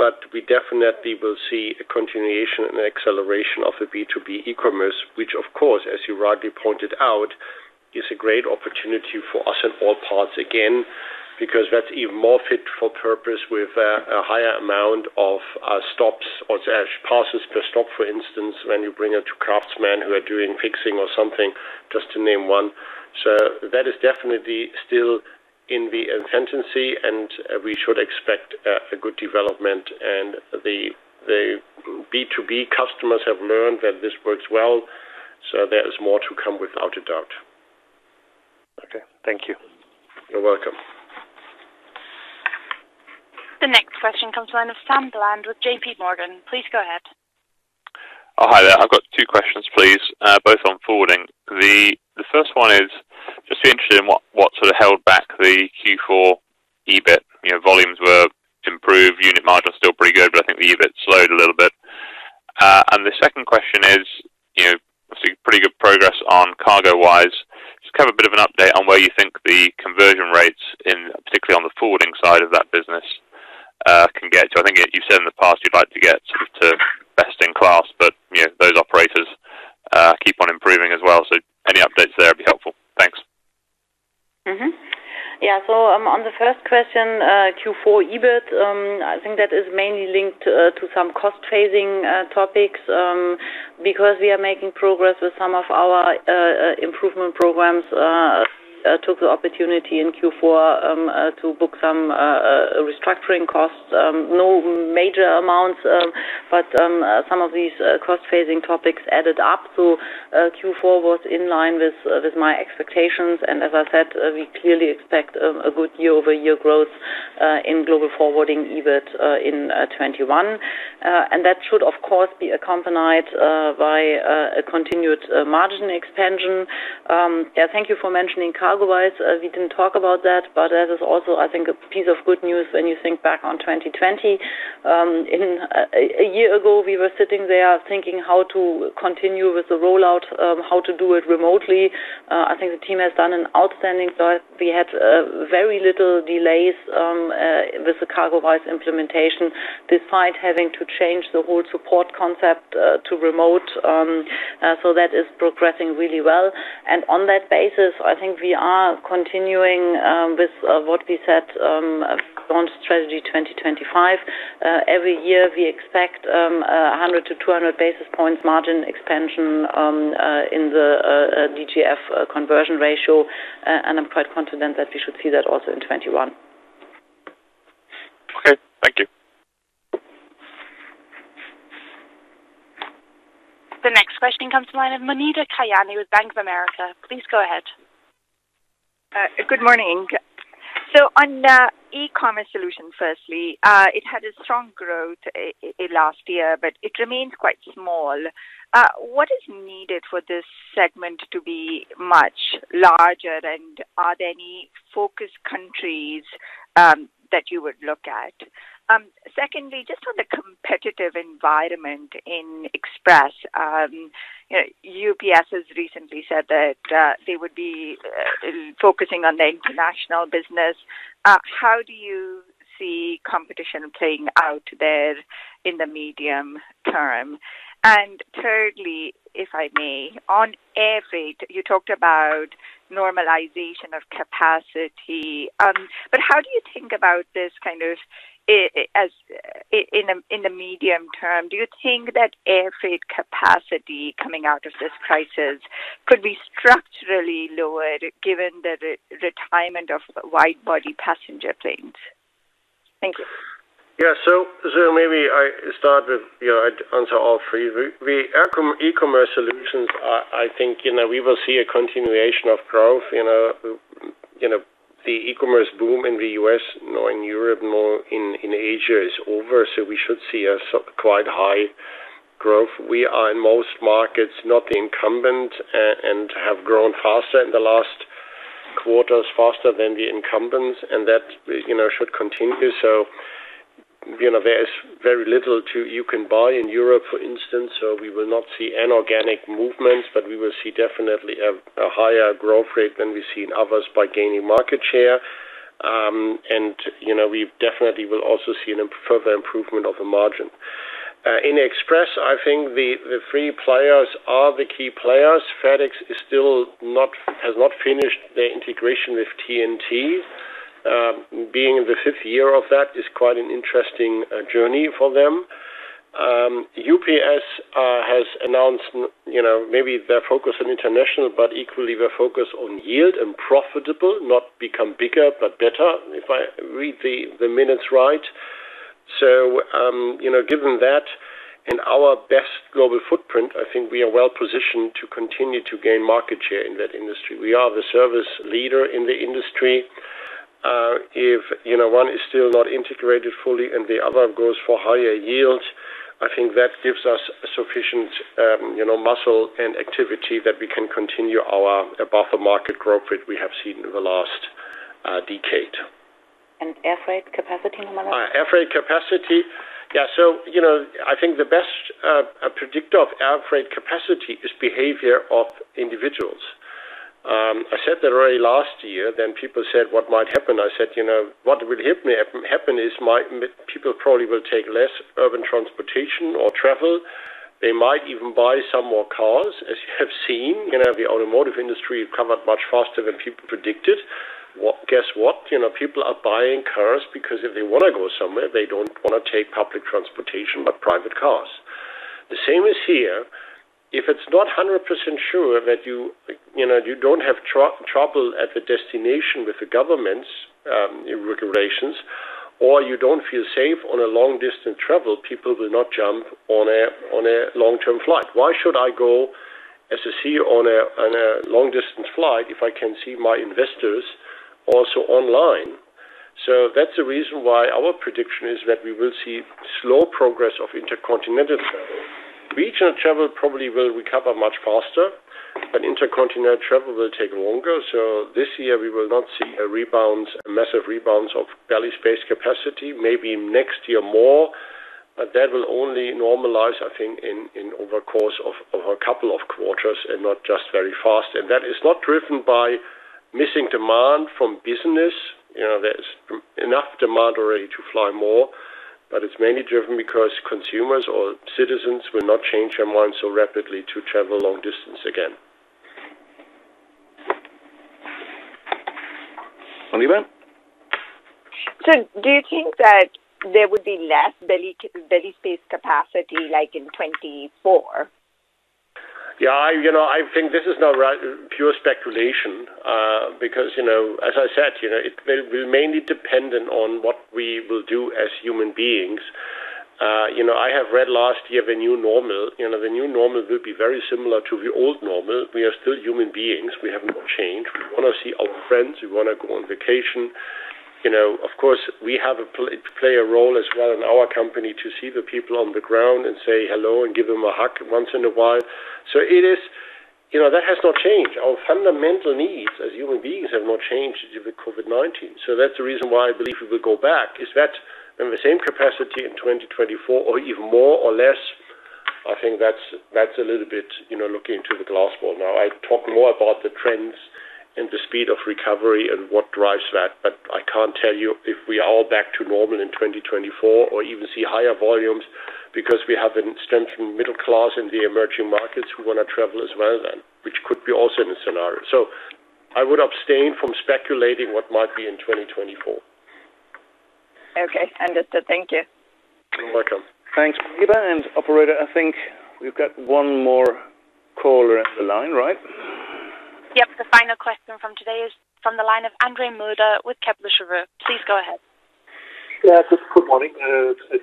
but we definitely will see a continuation and acceleration of the B2B e-commerce, which, of course, as you rightly pointed out, is a great opportunity for us in all parts, again, because that's even more fit for purpose with a higher amount of stops or parcels per stop, for instance, when you bring it to craftsmen who are doing fixing or something, just to name one. That is definitely still in the intensity, and we should expect a good development, and the B2B customers have learned that this works well, so there is more to come without a doubt. Okay, thank you. You're welcome. The next question comes from Samuel Bland with JPMorgan. Please go ahead. Hi there. I've got two questions please, both on forwarding. The first one is just interested in what held back the Q4 EBIT. Volumes were improved, unit margin is still pretty good, but I think the EBIT slowed a little bit. The second question is, I see pretty good progress on CargoWise. Just give a bit of an update on where you think the conversion rates, particularly on the forwarding side of that business, can get to. I think you said in the past you'd like to get to best in class, but those operators keep on improving as well. Any updates there would be helpful. Thanks. On the first question, Q4 EBIT, I think that is mainly linked to some cost-phasing topics. Because we are making progress with some of our improvement programs, took the opportunity in Q4 to book some restructuring costs. No major amounts, but some of these cost-phasing topics added up. Q4 was in line with my expectations and as I said, we clearly expect a good year-over-year growth in Global Forwarding EBIT in 2021. That should of course be accompanied by a continued margin expansion. Yeah, thank you for mentioning CargoWise. We didn't talk about that, but that is also I think a piece of good news when you think back on 2020. A year ago, we were sitting there thinking how to continue with the rollout, how to do it remotely. I think the team has done an outstanding job. We had very little delays with the CargoWise implementation, despite having to change the whole support concept to remote. That is progressing really well. On that basis, I think we are continuing with what we said on Strategy 2025. Every year we expect 100-200 basis points margin expansion in the DGF conversion ratio, and I'm quite confident that we should see that also in 2021. Okay, thank you. The next question comes to line of Muneeba Kayani with Bank of America. Please go ahead. Good morning. On the eCommerce Solutions firstly, it had a strong growth last year, but it remains quite small. What is needed for this segment to be much larger? Are there any focus countries that you would look at? Secondly, just on the competitive environment in Express, UPS has recently said that they would be focusing on the international business. How do you see competition playing out there in the medium term? Thirdly, if I may, on air freight, you talked about normalization of capacity. How do you think about this kind of in the medium term? Do you think that air freight capacity coming out of this crisis could be structurally lowered given the retirement of wide-body passenger planes? Thank you. Yeah. Maybe I start with, I'd answer all three. The eCommerce Solutions, I think we will see a continuation of growth. The e-commerce boom in the U.S., more in Europe, more in Asia is over, we should see a quite high growth. We are in most markets not the incumbent and have grown faster in the last quarters, faster than the incumbents, that should continue. There is very little you can buy in Europe, for instance, we will not see an organic movement, we will see definitely a higher growth rate than we see in others by gaining market share. We definitely will also see a further improvement of the margin. In Express, I think the three players are the key players. FedEx has not finished their integration with TNT. Being in the fifth year of that is quite an interesting journey for them. UPS has announced maybe their focus on international, but equally their focus on yield and profitable, not become bigger but better, if I read the minutes right. Given that and our best global footprint, I think we are well positioned to continue to gain market share in that industry. We are the service leader in the industry. If one is still not integrated fully and the other goes for higher yields, I think that gives us sufficient muscle and activity that we can continue our above the market growth rate we have seen in the last decade. Air freight capacity normalization? Air freight capacity. Yeah. I think the best predictor of air freight capacity is behavior of individuals. I said that already last year, people said what might happen? I said, what will happen is people probably will take less urban transportation or travel. They might even buy some more cars. As you have seen, the automotive industry recovered much faster than people predicted. Guess what? People are buying cars because if they want to go somewhere, they don't want to take public transportation but private cars. The same is here. If it's not 100% sure that you don't have trouble at the destination with the government's regulations, or you don't feel safe on a long-distance travel, people will not jump on a long-term flight. Why should I go as a CEO on a long-distance flight if I can see my investors also online? That's the reason why our prediction is that we will see slow progress of intercontinental travel. Regional travel probably will recover much faster, but intercontinental travel will take longer. This year we will not see a massive rebounds of belly space capacity. Maybe next year more, but that will only normalize, I think, over the course of a couple of quarters and not just very fast. That is not driven by missing demand from business. There's enough demand already to fly more, but it's mainly driven because consumers or citizens will not change their minds so rapidly to travel long distance again. Muneeba? Do you think that there would be less belly space capacity like in 2024? Yeah. I think this is now pure speculation, because as I said, it will mainly dependent on what we will do as human beings. I have read last year the new normal. The new normal will be very similar to the old normal. We are still human beings. We have not changed. We want to see our friends, we want to go on vacation. Of course, we have to play a role as well in our company to see the people on the ground and say hello and give them a hug once in a while. That has not changed. Our fundamental needs as human beings have not changed with COVID-19. That's the reason why I believe we will go back. Is that in the same capacity in 2024 or even more or less? I think that's a little bit looking into the glass ball now. I talk more about the trends and the speed of recovery and what drives that, but I can't tell you if we are back to normal in 2024 or even see higher volumes because we have a strengthening middle class in the emerging markets who want to travel as well then, which could be also in the scenario. I would abstain from speculating what might be in 2024. Okay, understood. Thank you. You're welcome. Thanks, Muneeba. Operator, I think we've got one more caller in the line, right? Yep. The final question from today is from the line of André Mulder with Kepler Cheuvreux. Please go ahead. Yeah. Good morning.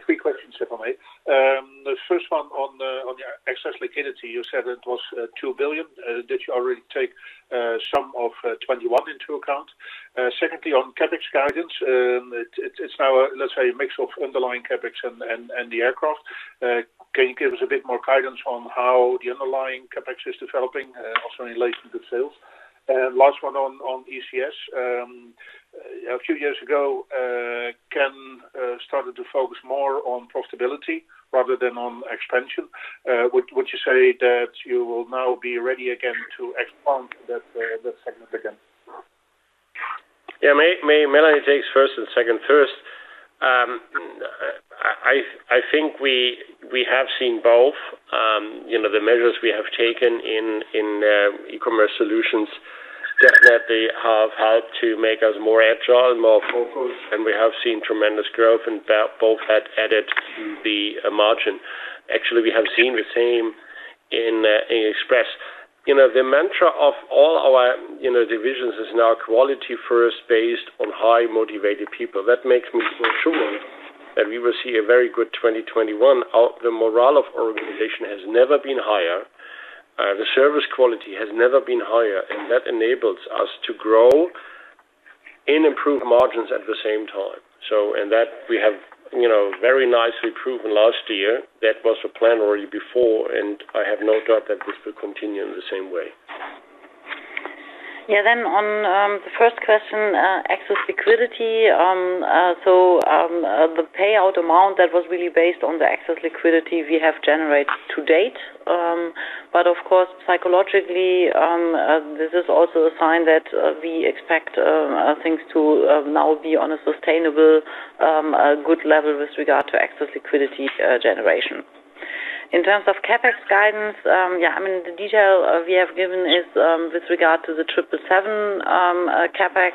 Three questions, if I may. The first one on the excess liquidity, you said it was 2 billion. Did you already take some of 2021 into account? Secondly, on CapEx guidance. It is now, let's say, a mix of underlying CapEx and the aircraft. Can you give us a bit more guidance on how the underlying CapEx is developing also in relation to sales? Last one on ECS. A few years ago, Ken started to focus more on profitability rather than on expansion. Would you say that you will now be ready again to expand that segment again? Yeah. Melanie takes first and second. First, I think we have seen both. The measures we have taken in eCommerce Solutions definitely have helped to make us more agile and more focused, and we have seen tremendous growth and both had added to the margin. Actually, we have seen the same in Express. The mantra of all our divisions is now quality first based on high motivated people. That makes me sure that we will see a very good 2021. The morale of organization has never been higher. The service quality has never been higher, and that enables us to grow and improve margins at the same time. That we have very nicely proven last year. That was the plan already before, and I have no doubt that this will continue in the same way. Yeah. On the first question, excess liquidity. The payout amount that was really based on the excess liquidity we have generated to date. Of course, psychologically, this is also a sign that we expect things to now be on a sustainable, good level with regard to excess liquidity generation. In terms of CapEx guidance, yeah, the detail we have given is with regard to the 777 CapEx,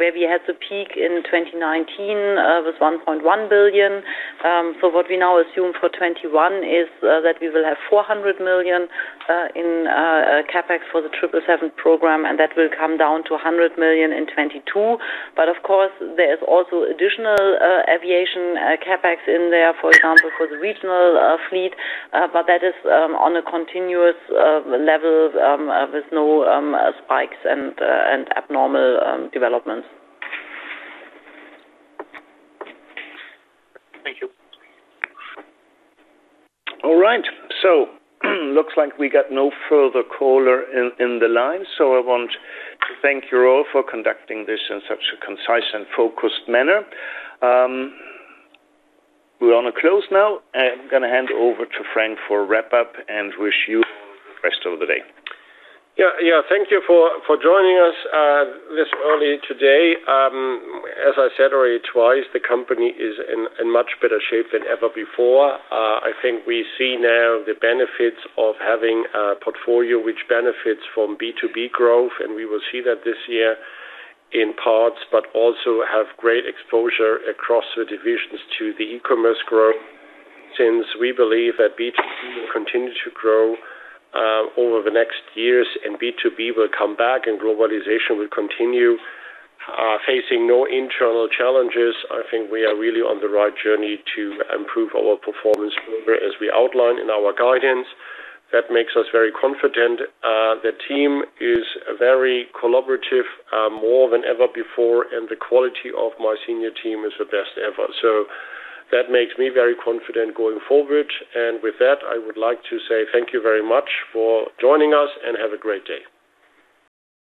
where we had the peak in 2019 with 1.1 billion. What we now assume for 2021 is that we will have 400 million in CapEx for the 777 program, and that will come down to 100 million in 2022. Of course, there is also additional aviation CapEx in there, for example, for the regional fleet. That is on a continuous level with no spikes and abnormal developments. Thank you. All right. Looks like we got no further caller in the line. I want to thank you all for conducting this in such a concise and focused manner. We want to close now. I'm going to hand over to Frank for wrap up and wish you the rest of the day. Yeah. Thank you for joining us this early today. As I said already twice, the company is in much better shape than ever before. I think we see now the benefits of having a portfolio which benefits from B2B growth, and we will see that this year in parts, but also have great exposure across the divisions to the e-commerce growth. We believe that B2C will continue to grow over the next years and B2B will come back and globalization will continue, facing no internal challenges, I think we are really on the right journey to improve our performance further as we outline in our guidance. That makes us very confident. The team is very collaborative more than ever before, and the quality of my senior team is the best ever. That makes me very confident going forward. With that, I would like to say thank you very much for joining us and have a great day.